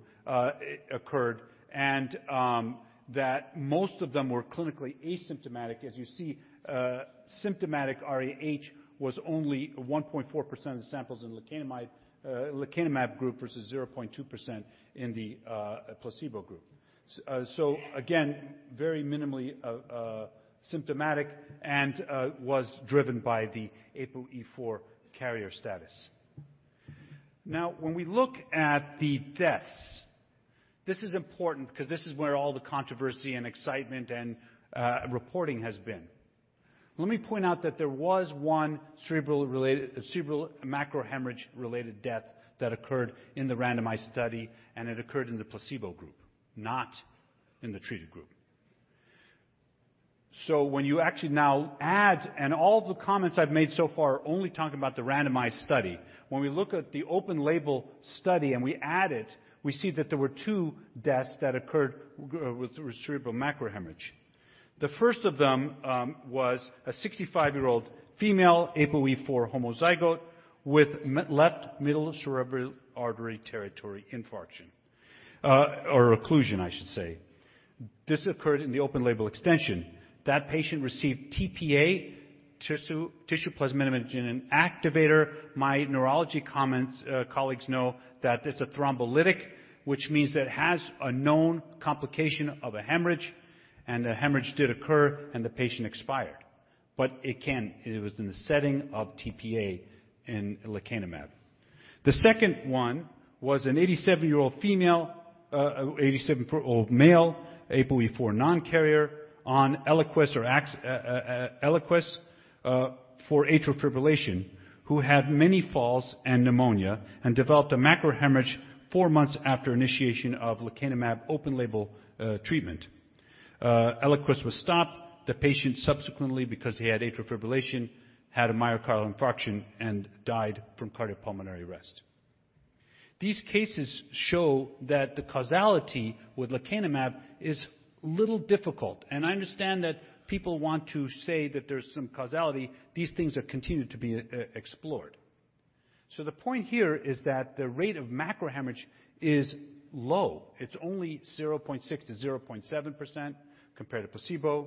occurred and that most of them were clinically asymptomatic. As you see, symptomatic ARIA-H was only 1.4% of the samples in lecanemab group versus 0.2% in the placebo group. Again, very minimally symptomatic and was driven by the APOE4 carrier status. Now when we look at the deaths, this is important 'cause this is where all the controversy and excitement and reporting has been. Let me point out that there was 1 cerebral macrohemorrhage-related death that occurred in the randomized study, and it occurred in the placebo group, not in the treated group. When you actually now add, and all the comments I've made so far are only talking about the randomized study. When we look at the open-label study and we add it, we see that there were two deaths that occurred with cerebral macrohemorrhage. The first of them was a 65-year-old female APOE4 homozygote with left middle cerebral artery territory infarction, or occlusion, I should say. This occurred in the open-label extension. That patient received tPA, Tissue Plasminogen Activator. My neurology comments, colleagues know that it's a thrombolytic, which means that it has a known complication of a hemorrhage, and a hemorrhage did occur, and the patient expired. It can. It was in the setting of tPA and lecanemab. The second one was an 87-year-old male, APOE4 non-carrier on Eliquis for atrial fibrillation, who had many falls and pneumonia and developed a macrohemorrhage four months after initiation of lecanemab open-label treatment. Eliquis was stopped. The patient subsequently, because he had atrial fibrillation, had a myocardial infarction and died from cardiopulmonary arrest. These cases show that the causality with lecanemab is a little difficult. I understand that people want to say that there's some causality. These things are continued to be explored. The point here is that the rate of macrohemorrhage is low. It's only 0.6%-0.7% compared to placebo.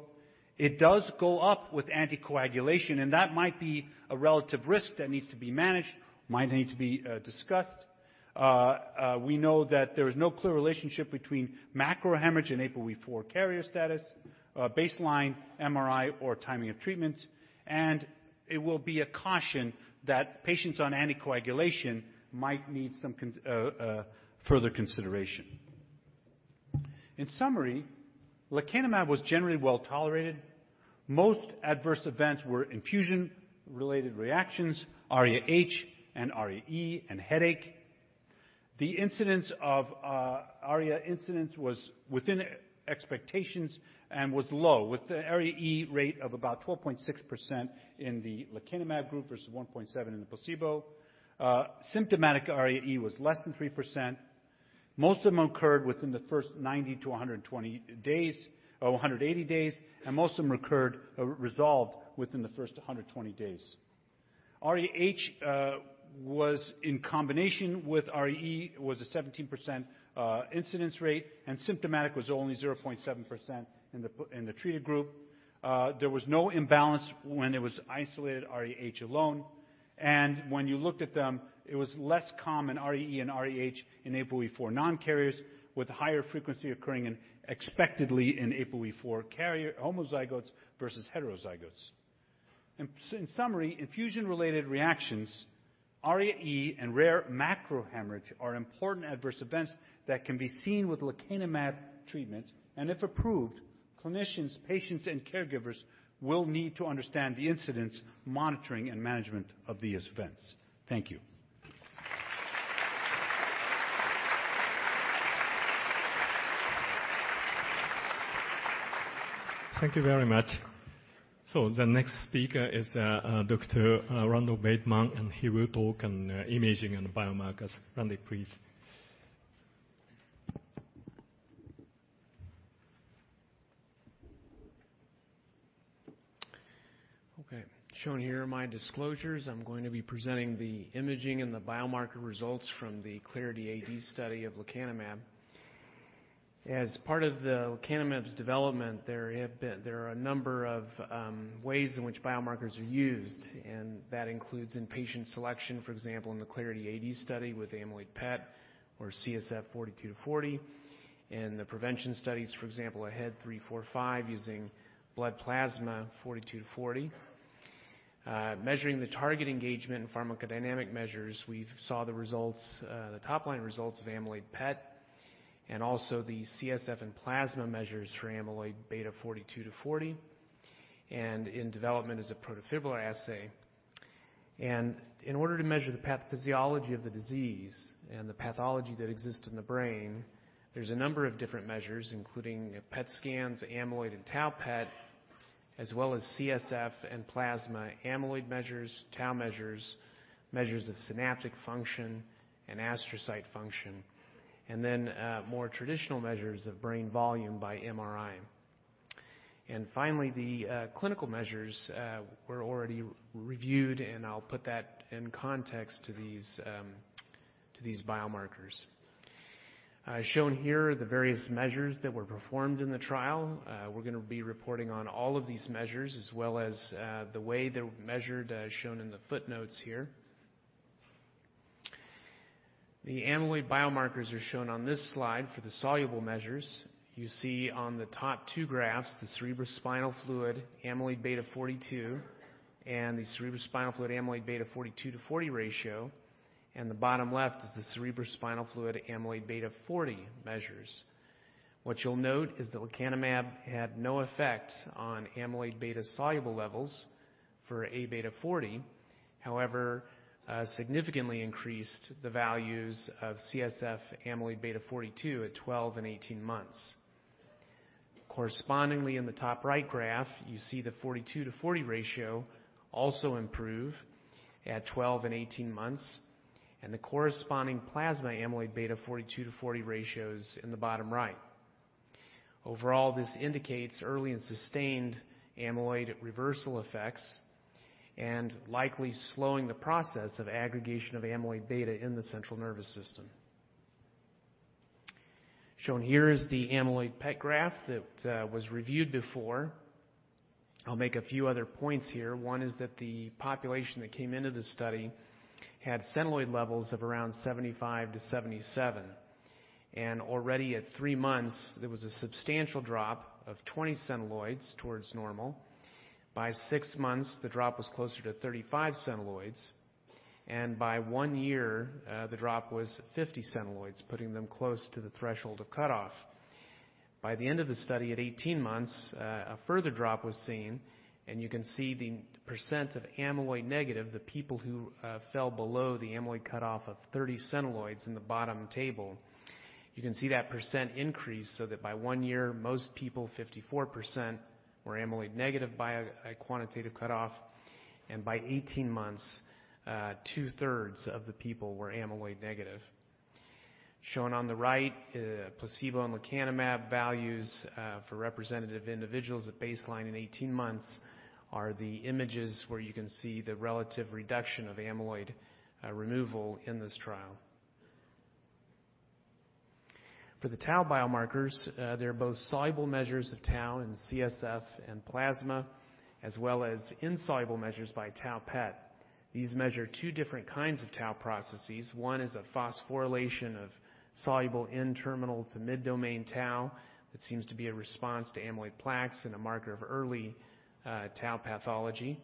It does go up with anticoagulation, that might be a relative risk that needs to be managed, might need to be discussed. We know that there is no clear relationship between macrohemorrhage in APOE4 carrier status, baseline MRI or timing of treatment. It will be a caution that patients on anticoagulation might need some further consideration. In summary, lecanemab was generally well-tolerated. Most adverse events were infusion-related reactions, ARIA-H and ARIA-E, and headache. The incidence of ARIA was within expectations and was low, with the ARIA-E rate of about 12.6% in the lecanemab group versus 1.7% in the placebo. Symptomatic ARIA-E was less than 3%. Most of them occurred within the first 90-120 days or 180 days, and most of them occurred or resolved within the first 220 days. ARIA-H in combination with ARIA-E was a 17% incidence rate, and symptomatic was only 0.7% in the treated group. There was no imbalance when it was isolated ARIA-H alone. When you looked at them, it was less common ARIA-E and ARIA-H in APOE4 non-carriers with higher frequency occurring in expectedly in APOE4 carrier homozygotes versus heterozygotes. In summary, infusion-related reactions, ARIA-E and rare macrohemorrhage are important adverse events that can be seen with lecanemab treatment. If approved, clinicians, patients, and caregivers will need to understand the incidence, monitoring, and management of these events. Thank you. Thank you very much. The next speaker is Dr. Randall Bateman, and he will talk on imaging and biomarkers. Randy, please. Shown here are my disclosures. I'm going to be presenting the imaging and the biomarker results from the Clarity AD study of lecanemab. As part of the lecanemab's development, there are a number of ways in which biomarkers are used, and that includes in patient selection, for example, in the Clarity AD study with amyloid PET or CSF 42 to 40. In the prevention studies, for example, AHEAD 3-45 using blood plasma 42 to 40. Measuring the target engagement and pharmacodynamic measures, we've saw the results, the top-line results of amyloid PET and also the CSF and plasma measures for amyloid beta 42 to 40. In development is a protofibrillar assay. In order to measure the pathophysiology of the disease and the pathology that exists in the brain, there's a number of different measures, including PET scans, amyloid and tau PET, as well as CSF and plasma amyloid measures, tau measures of synaptic function and astrocyte function, and then, more traditional measures of brain volume by MRI. Finally, the, clinical measures, were already reviewed, and I'll put that in context to these, to these biomarkers. Shown here are the various measures that were performed in the trial. We're gonna be reporting on all of these measures, as well as, the way they were measured as shown in the footnotes here. The amyloid biomarkers are shown on this slide for the soluble measures. You see on the top two graphs, the cerebrospinal fluid amyloid beta 42 and the cerebrospinal fluid amyloid beta 42/40 ratio, and the bottom left is the cerebrospinal fluid amyloid beta 40 measures. What you'll note is that lecanemab had no effect on amyloid beta soluble levels for A-beta 40. significantly increased the values of CSF amyloid beta 42 at 12 and 18 months. In the top right graph, you see the 42/40 ratio also improve at 12 and 18 months, and the corresponding plasma amyloid beta 42/40 ratio is in the bottom right. This indicates early and sustained amyloid reversal effects and likely slowing the process of aggregation of amyloid beta in the central nervous system. Shown here is the amyloid PET graph that was reviewed before. I'll make a few other points here. One is that the population that came into this study had centiloid levels of around 75 to 77. Already at three months, there was a substantial drop of 20 centiloids towards normal. By six months, the drop was closer to 35 centiloids. By one year, the drop was 50 centiloids, putting them close to the threshold of cutoff. By the end of the study at 18 months, a further drop was seen, and you can see the % of amyloid negative, the people who fell below the amyloid cutoff of 30 centiloids in the bottom table. You can see that % increase so that by one year, most people, 54%, were amyloid negative by a quantitative cutoff. By 18 months, two-thirds of the people were amyloid negative. Shown on the right, placebo and lecanemab values, for representative individuals at baseline in 18 months are the images where you can see the relative reduction of amyloid removal in this trial. For the tau biomarkers, they're both soluble measures of tau in CSF and plasma, as well as insoluble measures by tau PET. These measure two different kinds of tau processes. One is a phosphorylation of soluble N-terminal to mid-domain tau that seems to be a response to amyloid plaques and a marker of early tau pathology.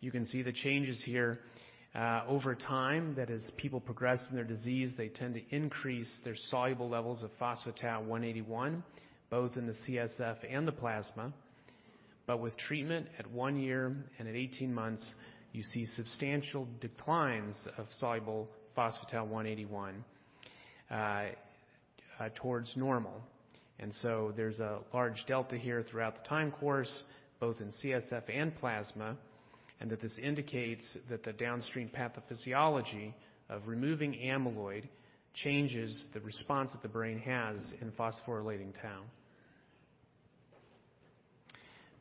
You can see the changes here, over time, that as people progress in their disease, they tend to increase their soluble levels of phospho-tau 181, both in the CSF and the plasma. With treatment at one year and at 18 months, you see substantial declines of soluble phospho-tau 181 towards normal. There's a large delta here throughout the time course, both in CSF and plasma, and that this indicates that the downstream pathophysiology of removing amyloid changes the response that the brain has in phosphorylating tau.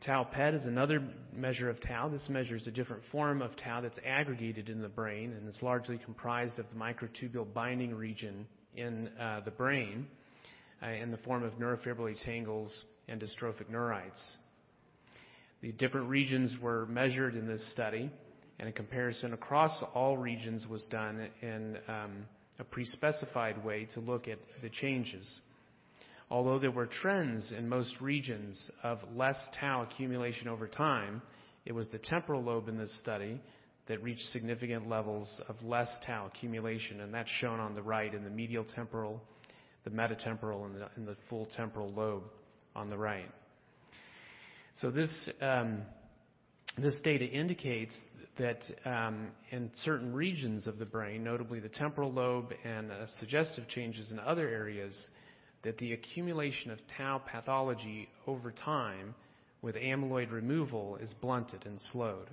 Tau PET is another measure of tau. This measures a different form of tau that's aggregated in the brain, and it's largely comprised of the microtubule binding region in the brain in the form of neurofibrillary tangles and dystrophic neurites. The different regions were measured in this study, and a comparison across all regions was done in a pre-specified way to look at the changes. Although there were trends in most regions of less tau accumulation over time, it was the temporal lobe in this study that reached significant levels of less tau accumulation, and that's shown on the right in the medial temporal, the metatemporal, and the full temporal lobe on the right. This data indicates that in certain regions of the brain, notably the temporal lobe and suggestive changes in other areas, that the accumulation of tau pathology over time with amyloid removal is blunted and slowed.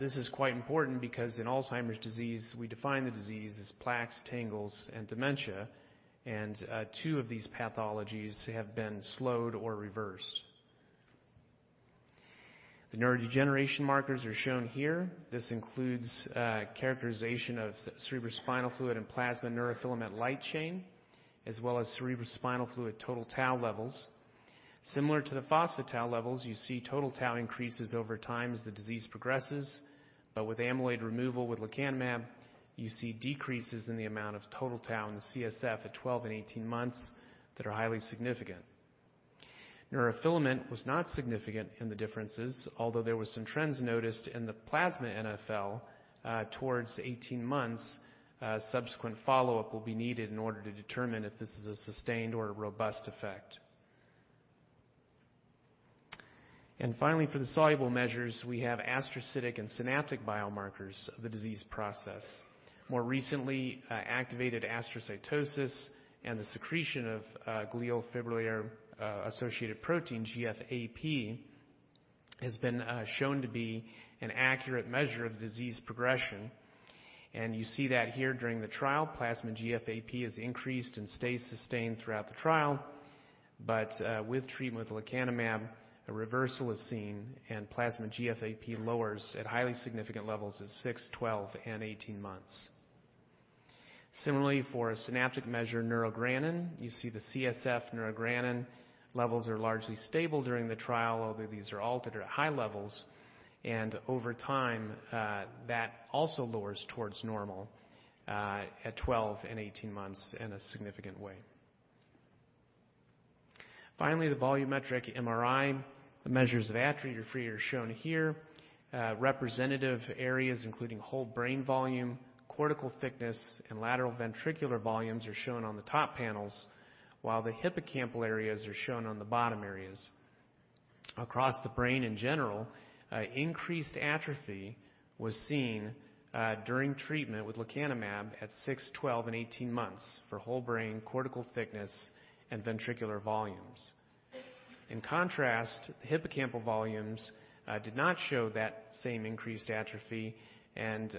This is quite important because in Alzheimer's disease, we define the disease as plaques, tangles, and dementia, and two of these pathologies have been slowed or reversed. The neurodegeneration markers are shown here. This includes characterization of cerebrospinal fluid and plasma neurofilament light chain, as well as cerebrospinal fluid total tau levels. Similar to the phospho-tau levels, you see total tau increases over time as the disease progresses. With amyloid removal with lecanemab, you see decreases in the amount of total tau in the CSF at 12 and 18 months that are highly significant. Neurofilament was not significant in the differences, although there were some trends noticed in the plasma NfL. Towards 18 months, subsequent follow-up will be needed in order to determine if this is a sustained or a robust effect. Finally, for the soluble measures, we have astrocytic and synaptic biomarkers of the disease process. More recently, activated astrocytosis and the secretion of glial fibrillary associated protein, GFAP, has been shown to be an accurate measure of disease progression. You see that here during the trial. Plasma GFAP is increased and stays sustained throughout the trial. With treatment with lecanemab, a reversal is seen and plasma GFAP lowers at highly significant levels at six, 12, and 18 months. Similarly, for a synaptic measure, neurogranin, you see the CSF neurogranin levels are largely stable during the trial, although these are altered at high levels. Over time, that also lowers towards normal, at 12 and 18 months in a significant way. Finally, the volumetric MRI. The measures of atrophy are shown here. Representative areas including whole brain volume, cortical thickness, and lateral ventricular volumes are shown on the top panels, while the hippocampal areas are shown on the bottom areas. Across the brain in general, increased atrophy was seen during treatment with lecanemab at six, 12, and 18 months for whole brain cortical thickness and ventricular volumes. In contrast, hippocampal volumes did not show that same increased atrophy and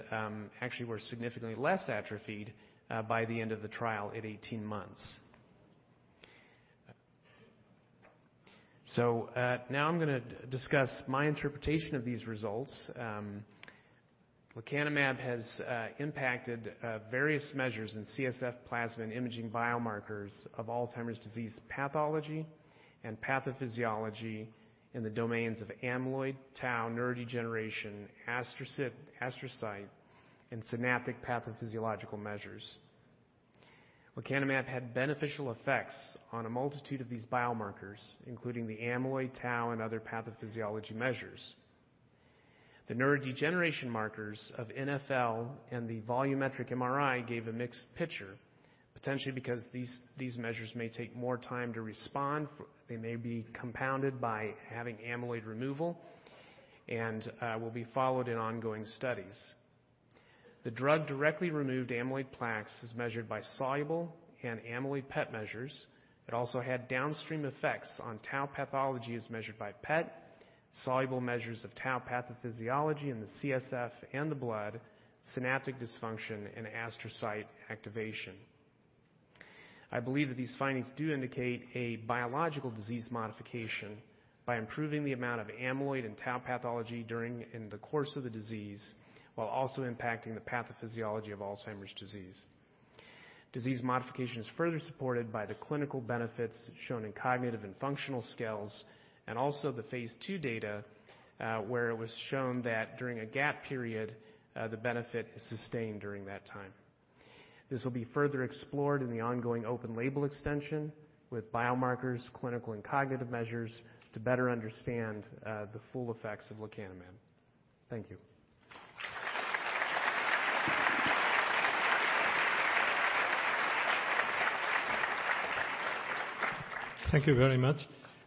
actually were significantly less atrophied by the end of the trial at 18 months. Now I'm gonna discuss my interpretation of these results. Lecanemab has impacted various measures in CSF plasma and imaging biomarkers of Alzheimer's disease pathology and pathophysiology in the domains of amyloid, tau, neurodegeneration, astrocyte, and synaptic pathophysiological measures. Lecanemab had beneficial effects on a multitude of these biomarkers, including the amyloid, tau, and other pathophysiology measures. The neurodegeneration markers of NfL and the volumetric MRI gave a mixed picture, potentially because these measures may take more time to respond. They may be compounded by having amyloid removal, and will be followed in ongoing studies. The drug directly removed amyloid plaques as measured by soluble and amyloid PET measures. It also had downstream effects on tau pathology as measured by PET, soluble measures of tau pathophysiology in the CSF and the blood, synaptic dysfunction, and astrocyte activation. I believe that these findings do indicate a biological disease modification by improving the amount of amyloid and tau pathology during in the course of the disease, while also impacting the pathophysiology of Alzheimer's disease. Disease modification is further supported by the clinical benefits shown in cognitive and functional scales, and also the phase II data, where it was shown that during a gap period, the benefit is sustained during that time. This will be further explored in the ongoing open label extension with biomarkers, clinical, and cognitive measures to better understand the full effects of lecanemab. Thank you. Thank you very much.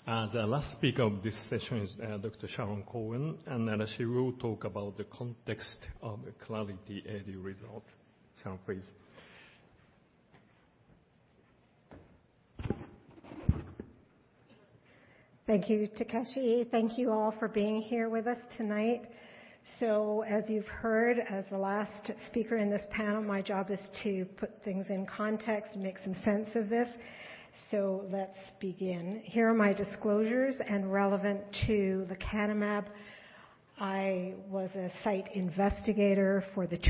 The last speaker of this session is Dr. Sharon Cohen, and she will talk about the context of the Clarity AD results. Sharon, please. Thank you, Takeshi. Thank you all for being here with us tonight. As you've heard, as the last speaker in this panel, my job is to put things in context and make some sense of this. Let's begin. Here are my disclosures and relevant to lecanemab. I was a site investigator for the Study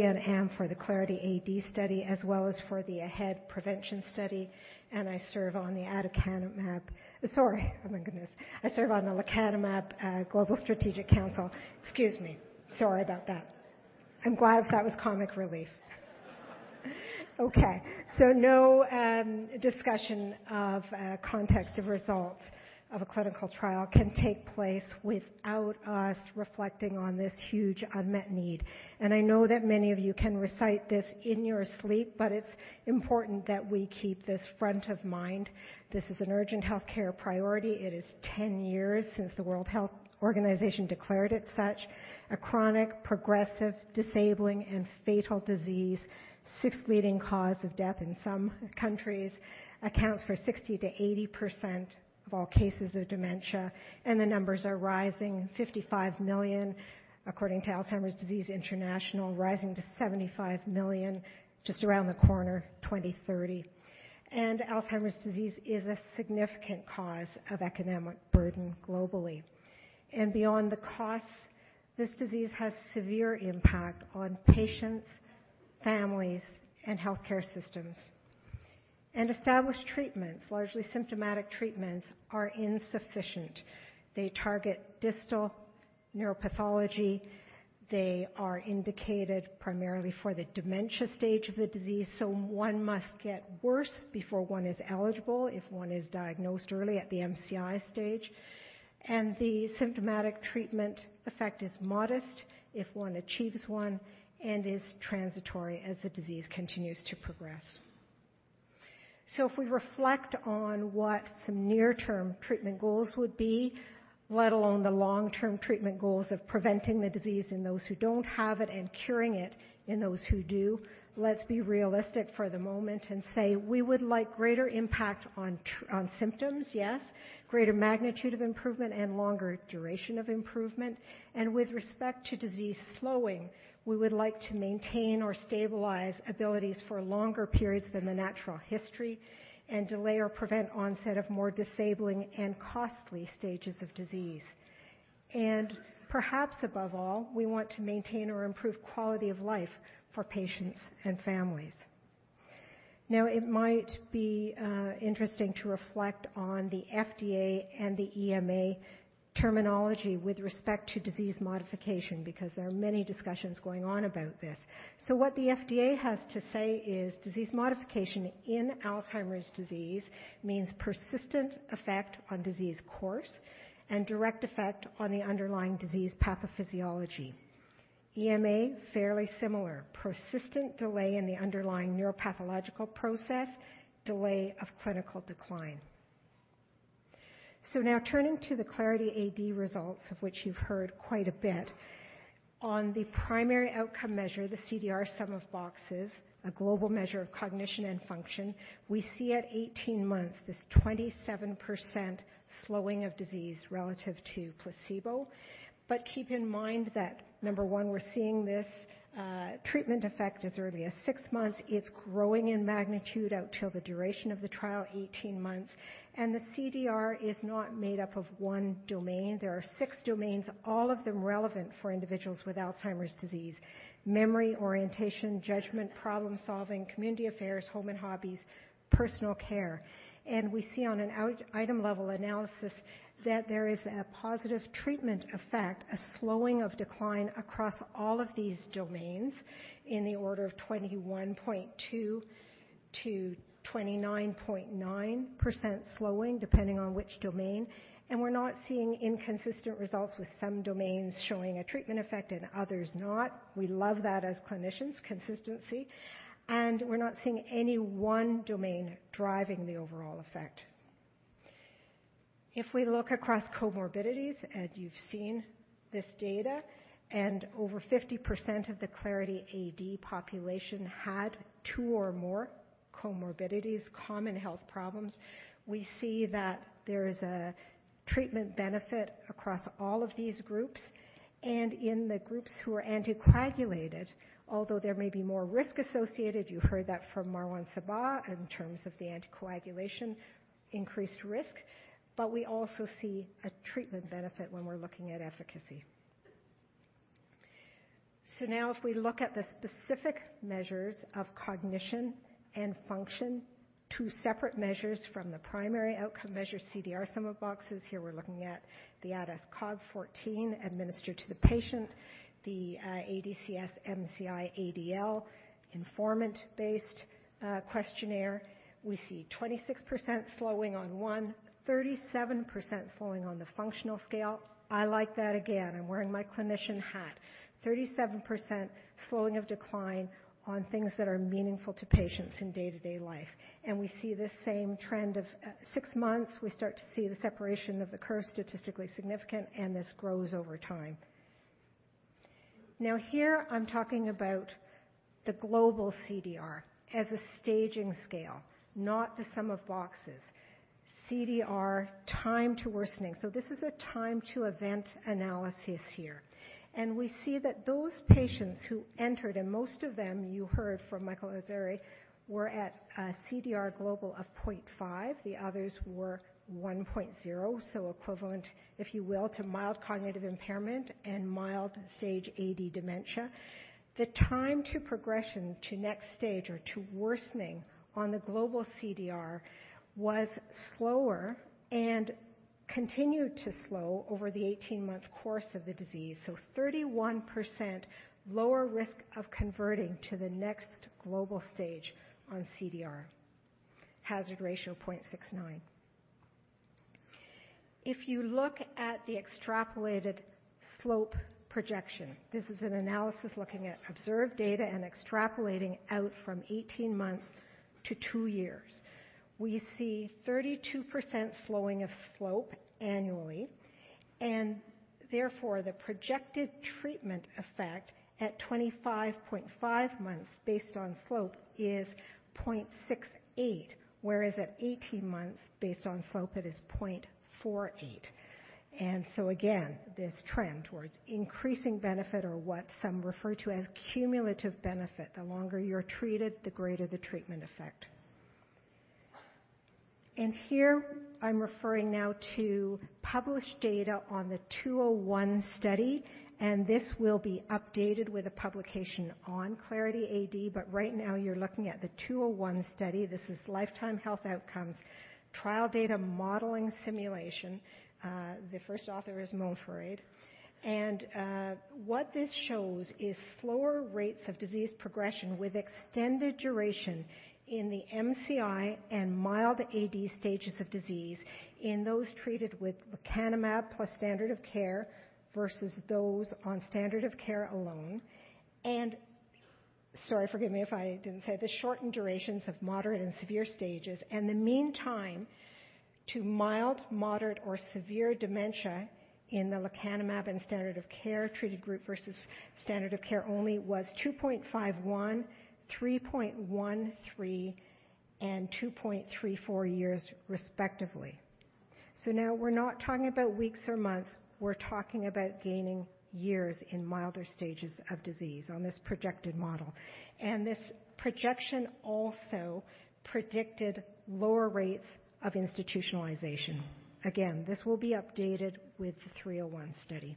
201 and am for the Clarity AD study, as well as for the AHEAD prevention study, and I serve on the aducanumab. Sorry. Oh, my goodness. I serve on the lecanemab Global Strategic Council. Excuse me. Sorry about that. I'm glad that was comic relief. Okay. No discussion of context of results of a clinical trial can take place without us reflecting on this huge unmet need. I know that many of you can recite this in your sleep, but it's important that we keep this front of mind. This is an urgent healthcare priority. It is 10 years since the World Health Organization declared it such. A chronic, progressive, disabling, and fatal disease. Sixth leading cause of death in some countries. Accounts for 60%-80% of all cases of dementia, and the numbers are rising. 55 million, according to Alzheimer's Disease International, rising to 75 million just around the corner, 2030. Alzheimer's disease is a significant cause of economic burden globally. Beyond the cost, this disease has severe impact on patients, families, and healthcare systems. Established treatments, largely symptomatic treatments, are insufficient. They target distal neuropathology. They are indicated primarily for the dementia stage of the disease. One must get worse before one is eligible, if one is diagnosed early at the MCI stage. The symptomatic treatment effect is modest if one achieves one, and is transitory as the disease continues to progress. If we reflect on what some near-term treatment goals would be, let alone the long-term treatment goals of preventing the disease in those who don't have it and curing it in those who do, let's be realistic for the moment and say we would like greater impact on symptoms, yes. Greater magnitude of improvement and longer duration of improvement. With respect to disease slowing, we would like to maintain or stabilize abilities for longer periods than the natural history and delay or prevent onset of more disabling and costly stages of disease. Perhaps above all, we want to maintain or improve quality of life for patients and families. It might be interesting to reflect on the FDA and the EMA terminology with respect to disease modification because there are many discussions going on about this. What the FDA has to say is disease modification in Alzheimer's disease means persistent effect on disease course and direct effect on the underlying disease pathophysiology. EMA, fairly similar. Persistent delay in the underlying neuropathological process, delay of clinical decline. Now turning to the Clarity AD results, of which you've heard quite a bit. On the primary outcome measure, the CDR sum of boxes, a global measure of cognition and function, we see at 18 months this 27% slowing of disease relative to placebo. Keep in mind that, number one, we're seeing this treatment effect as early as 6 months. It's growing in magnitude out till the duration of the trial, 18 months. The CDR is not made up of one domain. There are six domains, all of them relevant for individuals with Alzheimer's disease. Memory, orientation, judgment, problem-solving, community affairs, home and hobbies, personal care. We see on an item level analysis that there is a positive treatment effect, a slowing of decline across all of these domains in the order of 21.2%-29.9% slowing depending on which domain. We're not seeing inconsistent results with some domains showing a treatment effect and others not. We love that as clinicians, consistency. We're not seeing any one domain driving the overall effect. If we look across comorbidities, you've seen this data, over 50% of the Clarity AD population had two or more comorbidities, common health problems, we see that there is a treatment benefit across all of these groups. In the groups who are anticoagulated, although there may be more risk associated, you heard that from Marwan Sabbagh in terms of the anticoagulation increased risk, but we also see a treatment benefit when we're looking at efficacy. Now if we look at the specific measures of cognition and function, two separate measures from the primary outcome measure CDR sum of boxes. Here we're looking at the ADAS-Cog14 administered to the patient, the ADCS-MCI-ADL informant-based questionnaire. We see 26% slowing on one, 37% slowing on the functional scale. I like that again. I'm wearing my clinician hat. 37% slowing of decline on things that are meaningful to patients in day-to-day life. We see the same trend of six months, we start to see the separation of the curve statistically significant, and this grows over time. Now here I'm talking about the global CDR as a staging scale, not the sum of boxes. CDR time to worsening. This is a time to event analysis here. We see that those patients who entered, and most of them you heard from Michael Irizarry, were at a CDR global of 0.5. The others were 1.0. Equivalent, if you will, to mild cognitive impairment and mild stage AD dementia. The time to progression to next stage or to worsening on the global CDR was slower and continued to slow over the 18-month course of the disease. 31% lower risk of converting to the next global stage on CDR. Hazard ratio 0.69. If you look at the extrapolated slope projection, this is an analysis looking at observed data and extrapolating out from 18 months to two years. We see 32% slowing of slope annually, and therefore the projected treatment effect at 25.5 months based on slope is 0.68, whereas at 18 months based on slope it is 0.48. Again, this trend towards increasing benefit or what some refer to as cumulative benefit. The longer you're treated, the greater the treatment effect. I'm referring now to published data on the Study 201, and this will be updated with a publication on Clarity AD, but right now you're looking at the Study 201. This is lifetime health outcomes trial data modeling simulation. The first author is Mo Farid. What this shows is slower rates of disease progression with extended duration in the MCI and mild AD stages of disease in those treated with lecanemab plus standard of care versus those on standard of care alone. Sorry, forgive me if I didn't say. The shortened durations of moderate and severe stages and the mean time to mild, moderate, or severe dementia in the lecanemab and standard of care treated group versus standard of care only was 2.51, 3.13, and 2.34 years respectively. Now we're not talking about weeks or months, we're talking about gaining years in milder stages of disease on this projected model. This projection also predicted lower rates of institutionalization. This will be updated with the 301 study.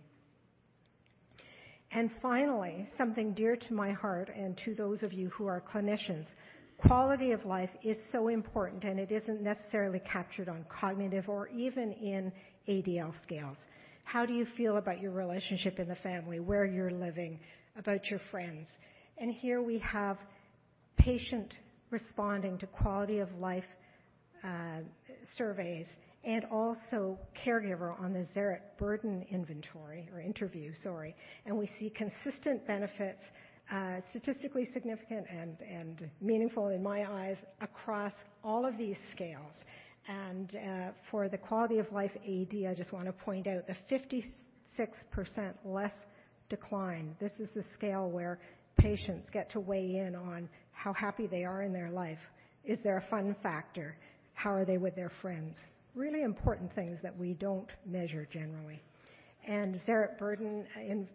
Finally, something dear to my heart and to those of you who are clinicians, quality of life is so important, and it isn't necessarily captured on cognitive or even in ADL scales. How do you feel about your relationship in the family, where you're living, about your friends? Here we have patient responding to quality of life surveys and also caregiver on the Zarit Burden Interview, sorry. We see consistent benefits, statistically significant and meaningful in my eyes across all of these scales. For the Quality of Life AD, I just wanna point out the 56% less decline. This is the scale where patients get to weigh in on how happy they are in their life. Is there a fun factor? How are they with their friends? Really important things that we don't measure generally. Zarit Burden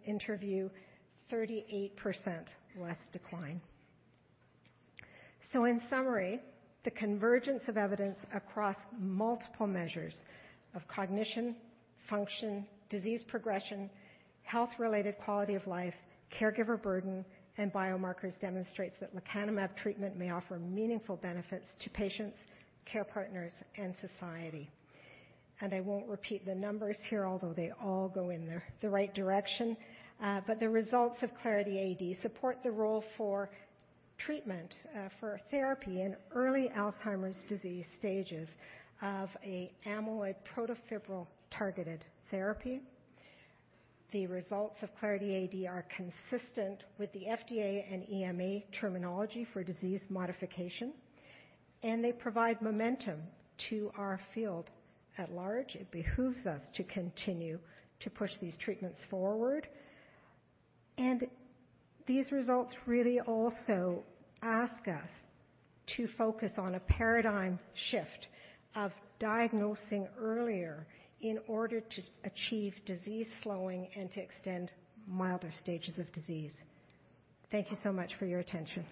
Interview, 38% less decline. In summary, the convergence of evidence across multiple measures of cognition, function, disease progression, health-related quality of life, caregiver burden, and biomarkers demonstrates that lecanemab treatment may offer meaningful benefits to patients, care partners, and society. I won't repeat the numbers here, although they all go in the right direction. The results of Clarity AD support the role for treatment for therapy in early Alzheimer's disease stages of an amyloid protofibril-targeted therapy. The results of Clarity AD are consistent with the FDA and EMA terminology for disease modification. They provide momentum to our field at large. It behooves us to continue to push these treatments forward. These results really also ask us to focus on a paradigm shift of diagnosing earlier in order to achieve disease slowing and to extend milder stages of disease. Thank you so much for your attention.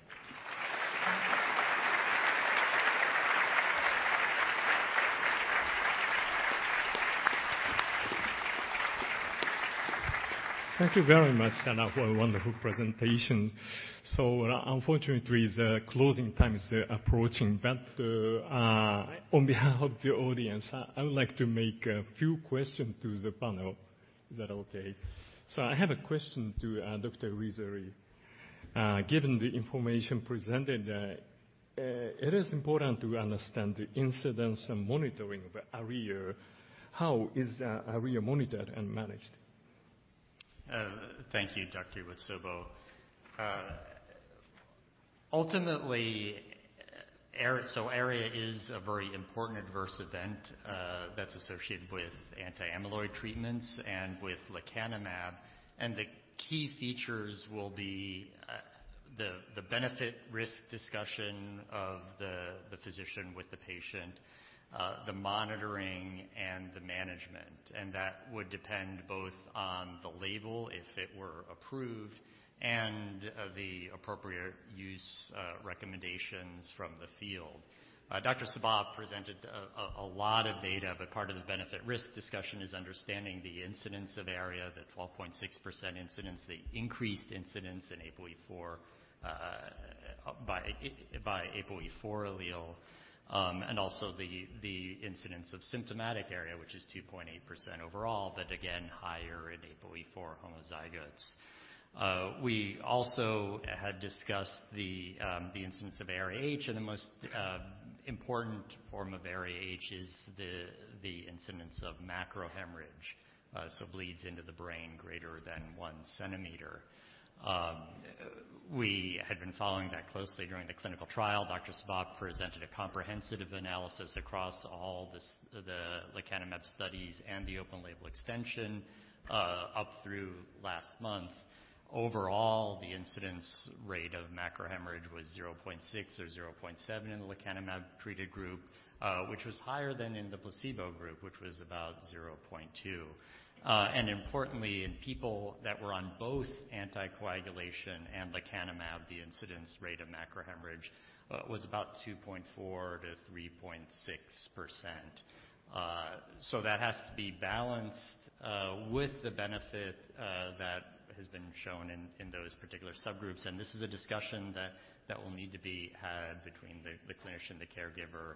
Thank you very much, Sharon, for a wonderful presentation. Unfortunately, the closing time is approaching. On behalf of the audience, I would like to make a few question to the panel. Is that okay? I have a question to Dr. Irizarry. Given the information presented, it is important to understand the incidence and monitoring of ARIA. How is ARIA monitored and managed? Thank you, Dr. Iwatsubo. ARIA is a very important adverse event that's associated with anti-amyloid treatments and with lecanemab. The key features will be the benefit/risk discussion of the physician with the patient, the monitoring, and the management. That would depend both on the label, if it were approved, and the appropriate use recommendations from the field. Dr. Sabbagh presented a lot of data, but part of the benefit/risk discussion is understanding the incidence of ARIA, the 12.6% incidence, the increased incidence in APOE4 by APOE4 allele, and also the incidence of symptomatic ARIA, which is 2.8% overall, but again, higher in APOE4 homozygotes. We also had discussed the incidence of ARIA-H. The most important form of ARIA-H is the incidence of macrohemorrhage, so bleeds into the brain greater than 1 centimeter. We had been following that closely during the clinical trial. Dr. Sabbagh presented a comprehensive analysis across all the lecanemab studies and the open-label extension up through last month. Overall, the incidence rate of macrohemorrhage was 0.6 or 0.7 in the lecanemab-treated group, which was higher than in the placebo group, which was about 0.2. Importantly, in people that were on both anticoagulation and lecanemab, the incidence rate of macrohemorrhage was about 2.4%-3.6%. That has to be balanced with the benefit that has been shown in those particular subgroups. This is a discussion that will need to be had between the clinician, the caregiver,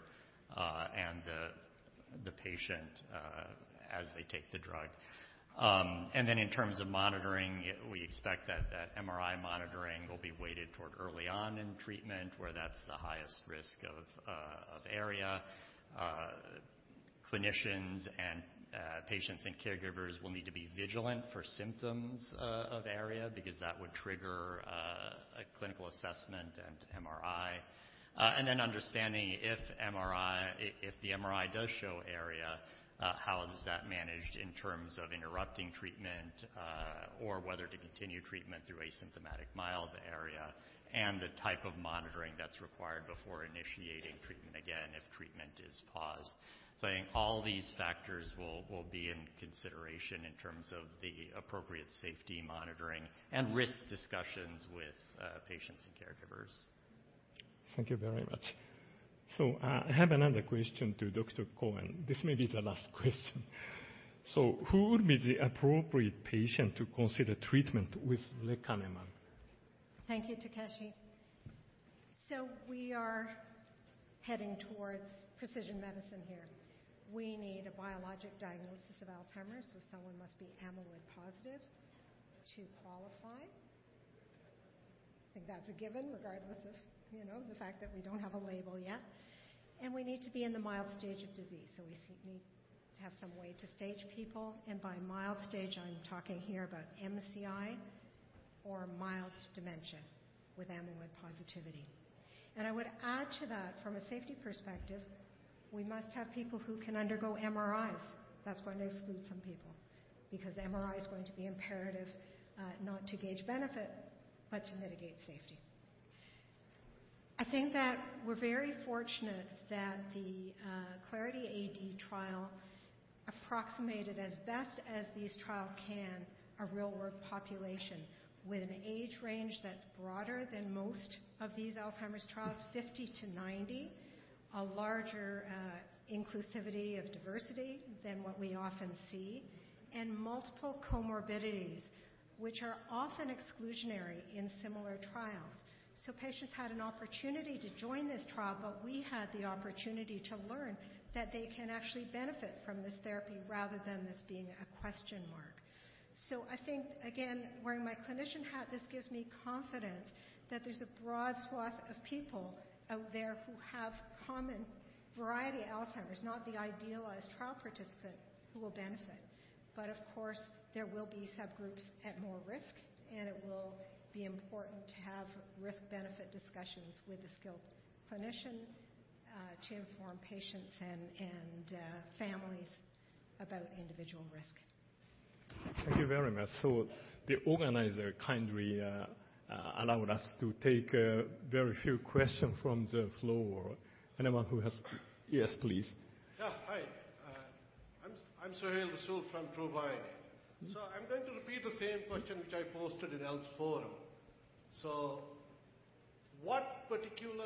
and the patient as they take the drug. Then in terms of monitoring, we expect that MRI monitoring will be weighted toward early on in treatment, where that's the highest risk of ARIA. Clinicians and patients and caregivers will need to be vigilant for symptoms of ARIA because that would trigger a clinical assessment and MRI. Then understanding if MRI... If the MRI does show ARIA, how is that managed in terms of interrupting treatment, or whether to continue treatment through asymptomatic mild ARIA, and the type of monitoring that's required before initiating treatment again if treatment is paused. I think all these factors will be in consideration in terms of the appropriate safety monitoring and risk discussions with patients and caregivers. Thank you very much. I have another question to Dr. Cohen. This may be the last question. Who would be the appropriate patient to consider treatment with lecanemab? Thank you, Takeshi. We are heading towards precision medicine here. We need a biologic diagnosis of Alzheimer's, someone must be amyloid positive to qualify. I think that's a given, regardless of, you know, the fact that we don't have a label yet. We need to be in the mild stage of disease, we need to have some way to stage people. By mild stage, I'm talking here about MCI or mild dementia with amyloid positivity. I would add to that, from a safety perspective, we must have people who can undergo MRIs. That's going to exclude some people, because MRI is going to be imperative, not to gauge benefit, but to mitigate safety. I think that we're very fortunate that the Clarity AD trial approximated as best as these trials can a real-world population with an age range that's broader than most of these Alzheimer's trials, 50 to 90. A larger inclusivity of diversity than what we often see, and multiple comorbidities, which are often exclusionary in similar trials. Patients had an opportunity to join this trial, but we had the opportunity to learn that they can actually benefit from this therapy rather than this being a question mark. I think, again, wearing my clinician hat, this gives me confidence that there's a broad swath of people out there who have common variety Alzheimer's, not the idealized trial participant who will benefit. Of course, there will be subgroups at more risk, and it will be important to have risk-benefit discussions with a skilled clinician, to inform patients and families about individual risk. Thank you very much. The organizer kindly allowed us to take a very few questions from the floor. Anyone who has. Yes, please. Yeah. Hi. I'm Suhail Rasool from Provine. I'm going to repeat the same question which I posted in Alzforum. What particular...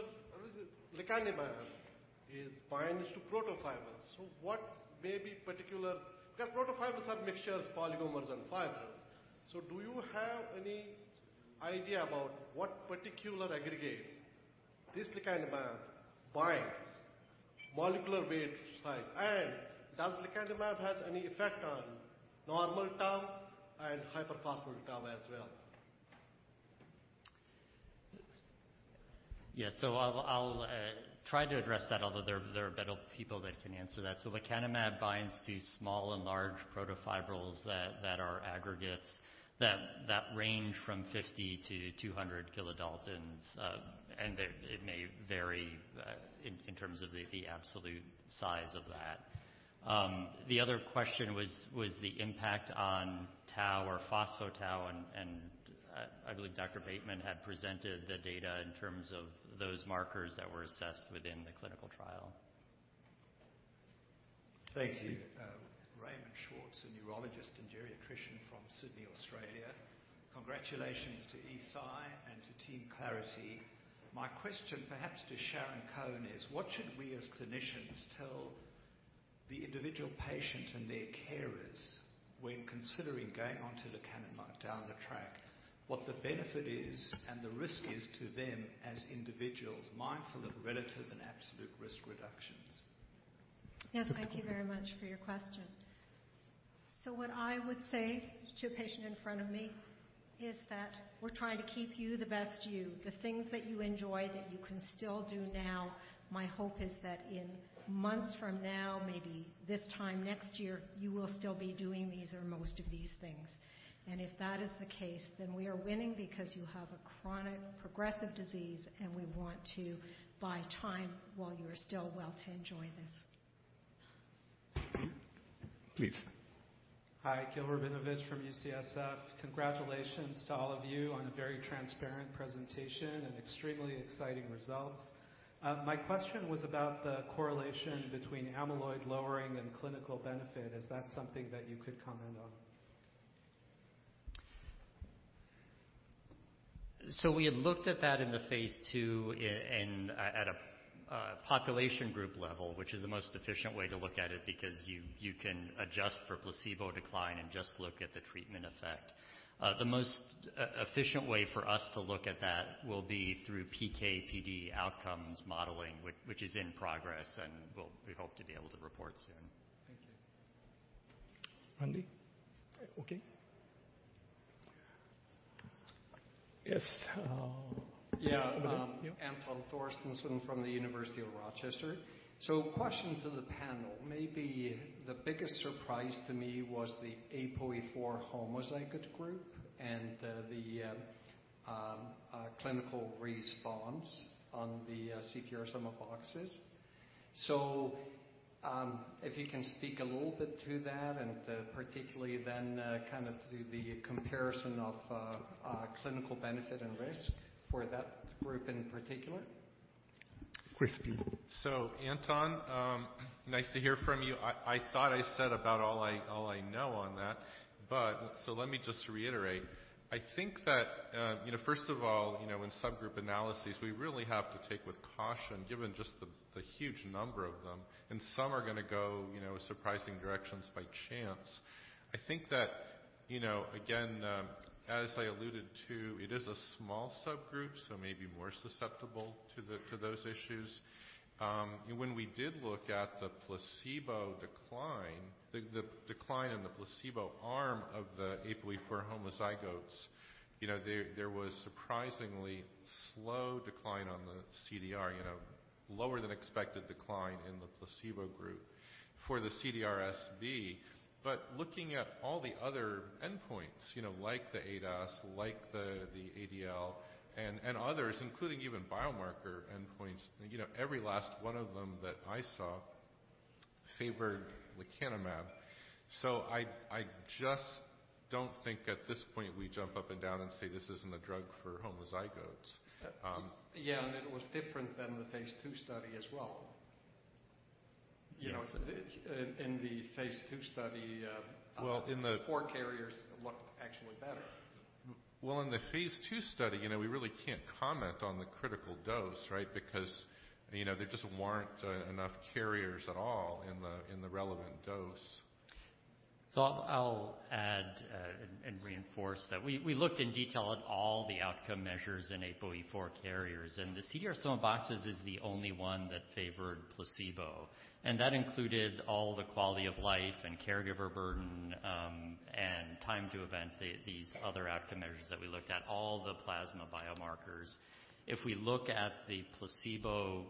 lecanemab is binds to protofibrils. What may be particular... Because protofibrils are mixtures, polymers, and fibers. Do you have any idea about what particular aggregates this lecanemab binds molecular weight size? Does lecanemab has any effect on normal tau and hyperphosphorylated tau as well? Yeah. I'll try to address that, although there are better people that can answer that. Lecanemab binds to small and large protofibrils that are aggregates that range from 50 to 200 kilodaltons. It may vary in terms of the absolute size of that. The other question was the impact on tau or phospho-tau and I believe Dr. Bateman had presented the data in terms of those markers that were assessed within the clinical trial. Thank you. Raymond Schwartz, a neurologist and geriatrician from Sydney, Australia. Congratulations to Eisai and to Team Clarity. My question perhaps to Sharon Cohen is: What should we as clinicians tell the individual patient and their carers when considering going onto lecanemab down the track, what the benefit is and the risk is to them as individuals, mindful of relative and absolute risk reductions? Yes. Thank you very much for your question. What I would say to a patient in front of me is that we're trying to keep you the best you. The things that you enjoy that you can still do now, my hope is that in months from now, maybe this time next year, you will still be doing these or most of these things. If that is the case, then we are winning because you have a chronic progressive disease, and we want to buy time while you're still well to enjoy this. Please. Hi. Gil Rabinovici from UCSF. Congratulations to all of you on a very transparent presentation and extremely exciting results. My question was about the correlation between amyloid lowering and clinical benefit. Is that something that you could comment on? We had looked at that in the phase two and at a population group level, which is the most efficient way to look at it because you can adjust for placebo decline and just look at the treatment effect. The most efficient way for us to look at that will be through PK/PD outcomes modeling, which is in progress, and we hope to be able to report soon. Thank you. Randy. Okay. Yes. Yeah. Over there. Yeah. Anton Thorstensson from the University of Rochester. Question to the panel. Maybe the biggest surprise to me was the APOE4 homozygous group and the clinical response on the CDR sum of boxes. If you can speak a little bit to that and particularly then kind of the comparison of clinical benefit and risk for that group in particular. Chris. Anton, nice to hear from you. I thought I said about all I know on that. Let me just reiterate. I think that, you know, first of all, you know, in subgroup analyses, we really have to take with caution, given just the huge number of them, and some are gonna go, you know, surprising directions by chance. I think that, you know, again, as I alluded to, it is a small subgroup, so maybe more susceptible to those issues. When we did look at the placebo decline, the decline in the placebo arm of the APOE4 homozygotes, you know, there was surprisingly slow decline on the CDR, you know, lower than expected decline in the placebo group for the CDRSB. Looking at all the other endpoints, you know, like the ADAS, like the ADL and others, including even biomarker endpoints, you know, every last one of them that I saw favored lecanemab. I just don't think at this point we jump up and down and say this isn't a drug for homozygotes. Yeah. It was different than the phase II study as well. Yes. You know, in the phase two study. Well. The four carriers looked actually better. Well, in the phase II study, you know, we really can't comment on the critical dose, right? Because, you know, there just weren't enough carriers at all in the, in the relevant dose. I'll add and reinforce that we looked in detail at all the outcome measures in APOE4 carriers, and the CDR sum of boxes is the only one that favored placebo. That included all the quality of life and caregiver burden, and time to event, these other outcome measures that we looked at, all the plasma biomarkers. If we look at the placebo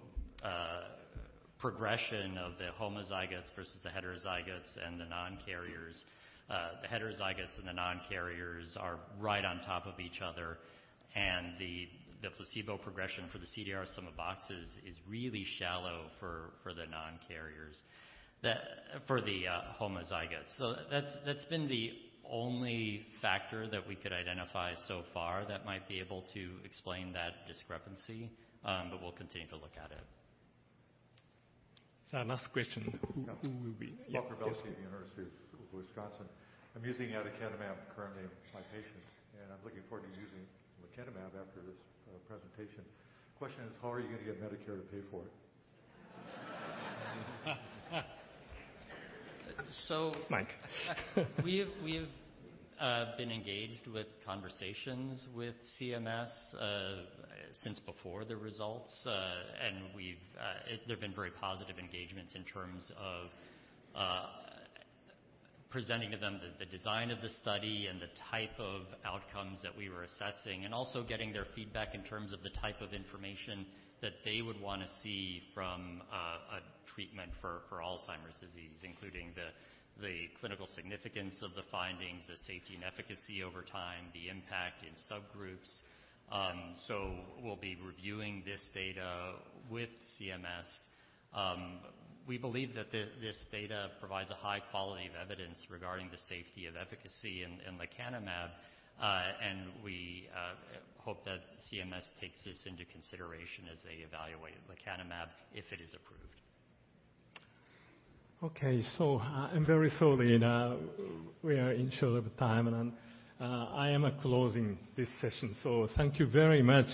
progression of the homozygotes versus the heterozygotes and the non-carriers, the heterozygotes and the non-carriers are right on top of each other. The placebo progression for the CDR sum of boxes is really shallow for the non-carriers. For the homozygotes. That's been the only factor that we could identify so far that might be able to explain that discrepancy, but we'll continue to look at it. Our last question, who? Yeah. Yes. Dr. Velkey of the University of Wisconsin. I'm using aducanumab currently with my patients, and I'm looking forward to using lecanemab after this presentation. Question is, how are you gonna get Medicare to pay for it? So- Mike. We've been engaged with conversations with CMS since before the results. They've been very positive engagements in terms of presenting to them the design of the study and the type of outcomes that we were assessing and also getting their feedback in terms of the type of information that they would wanna see from a treatment for Alzheimer's disease, including the clinical significance of the findings, the safety and efficacy over time, the impact in subgroups. We'll be reviewing this data with CMS. We believe that this data provides a high quality of evidence regarding the safety of efficacy in lecanemab, and we hope that CMS takes this into consideration as they evaluate lecanemab if it is approved. Very shortly now, we are in short of time, and I am closing this session. Thank you very much.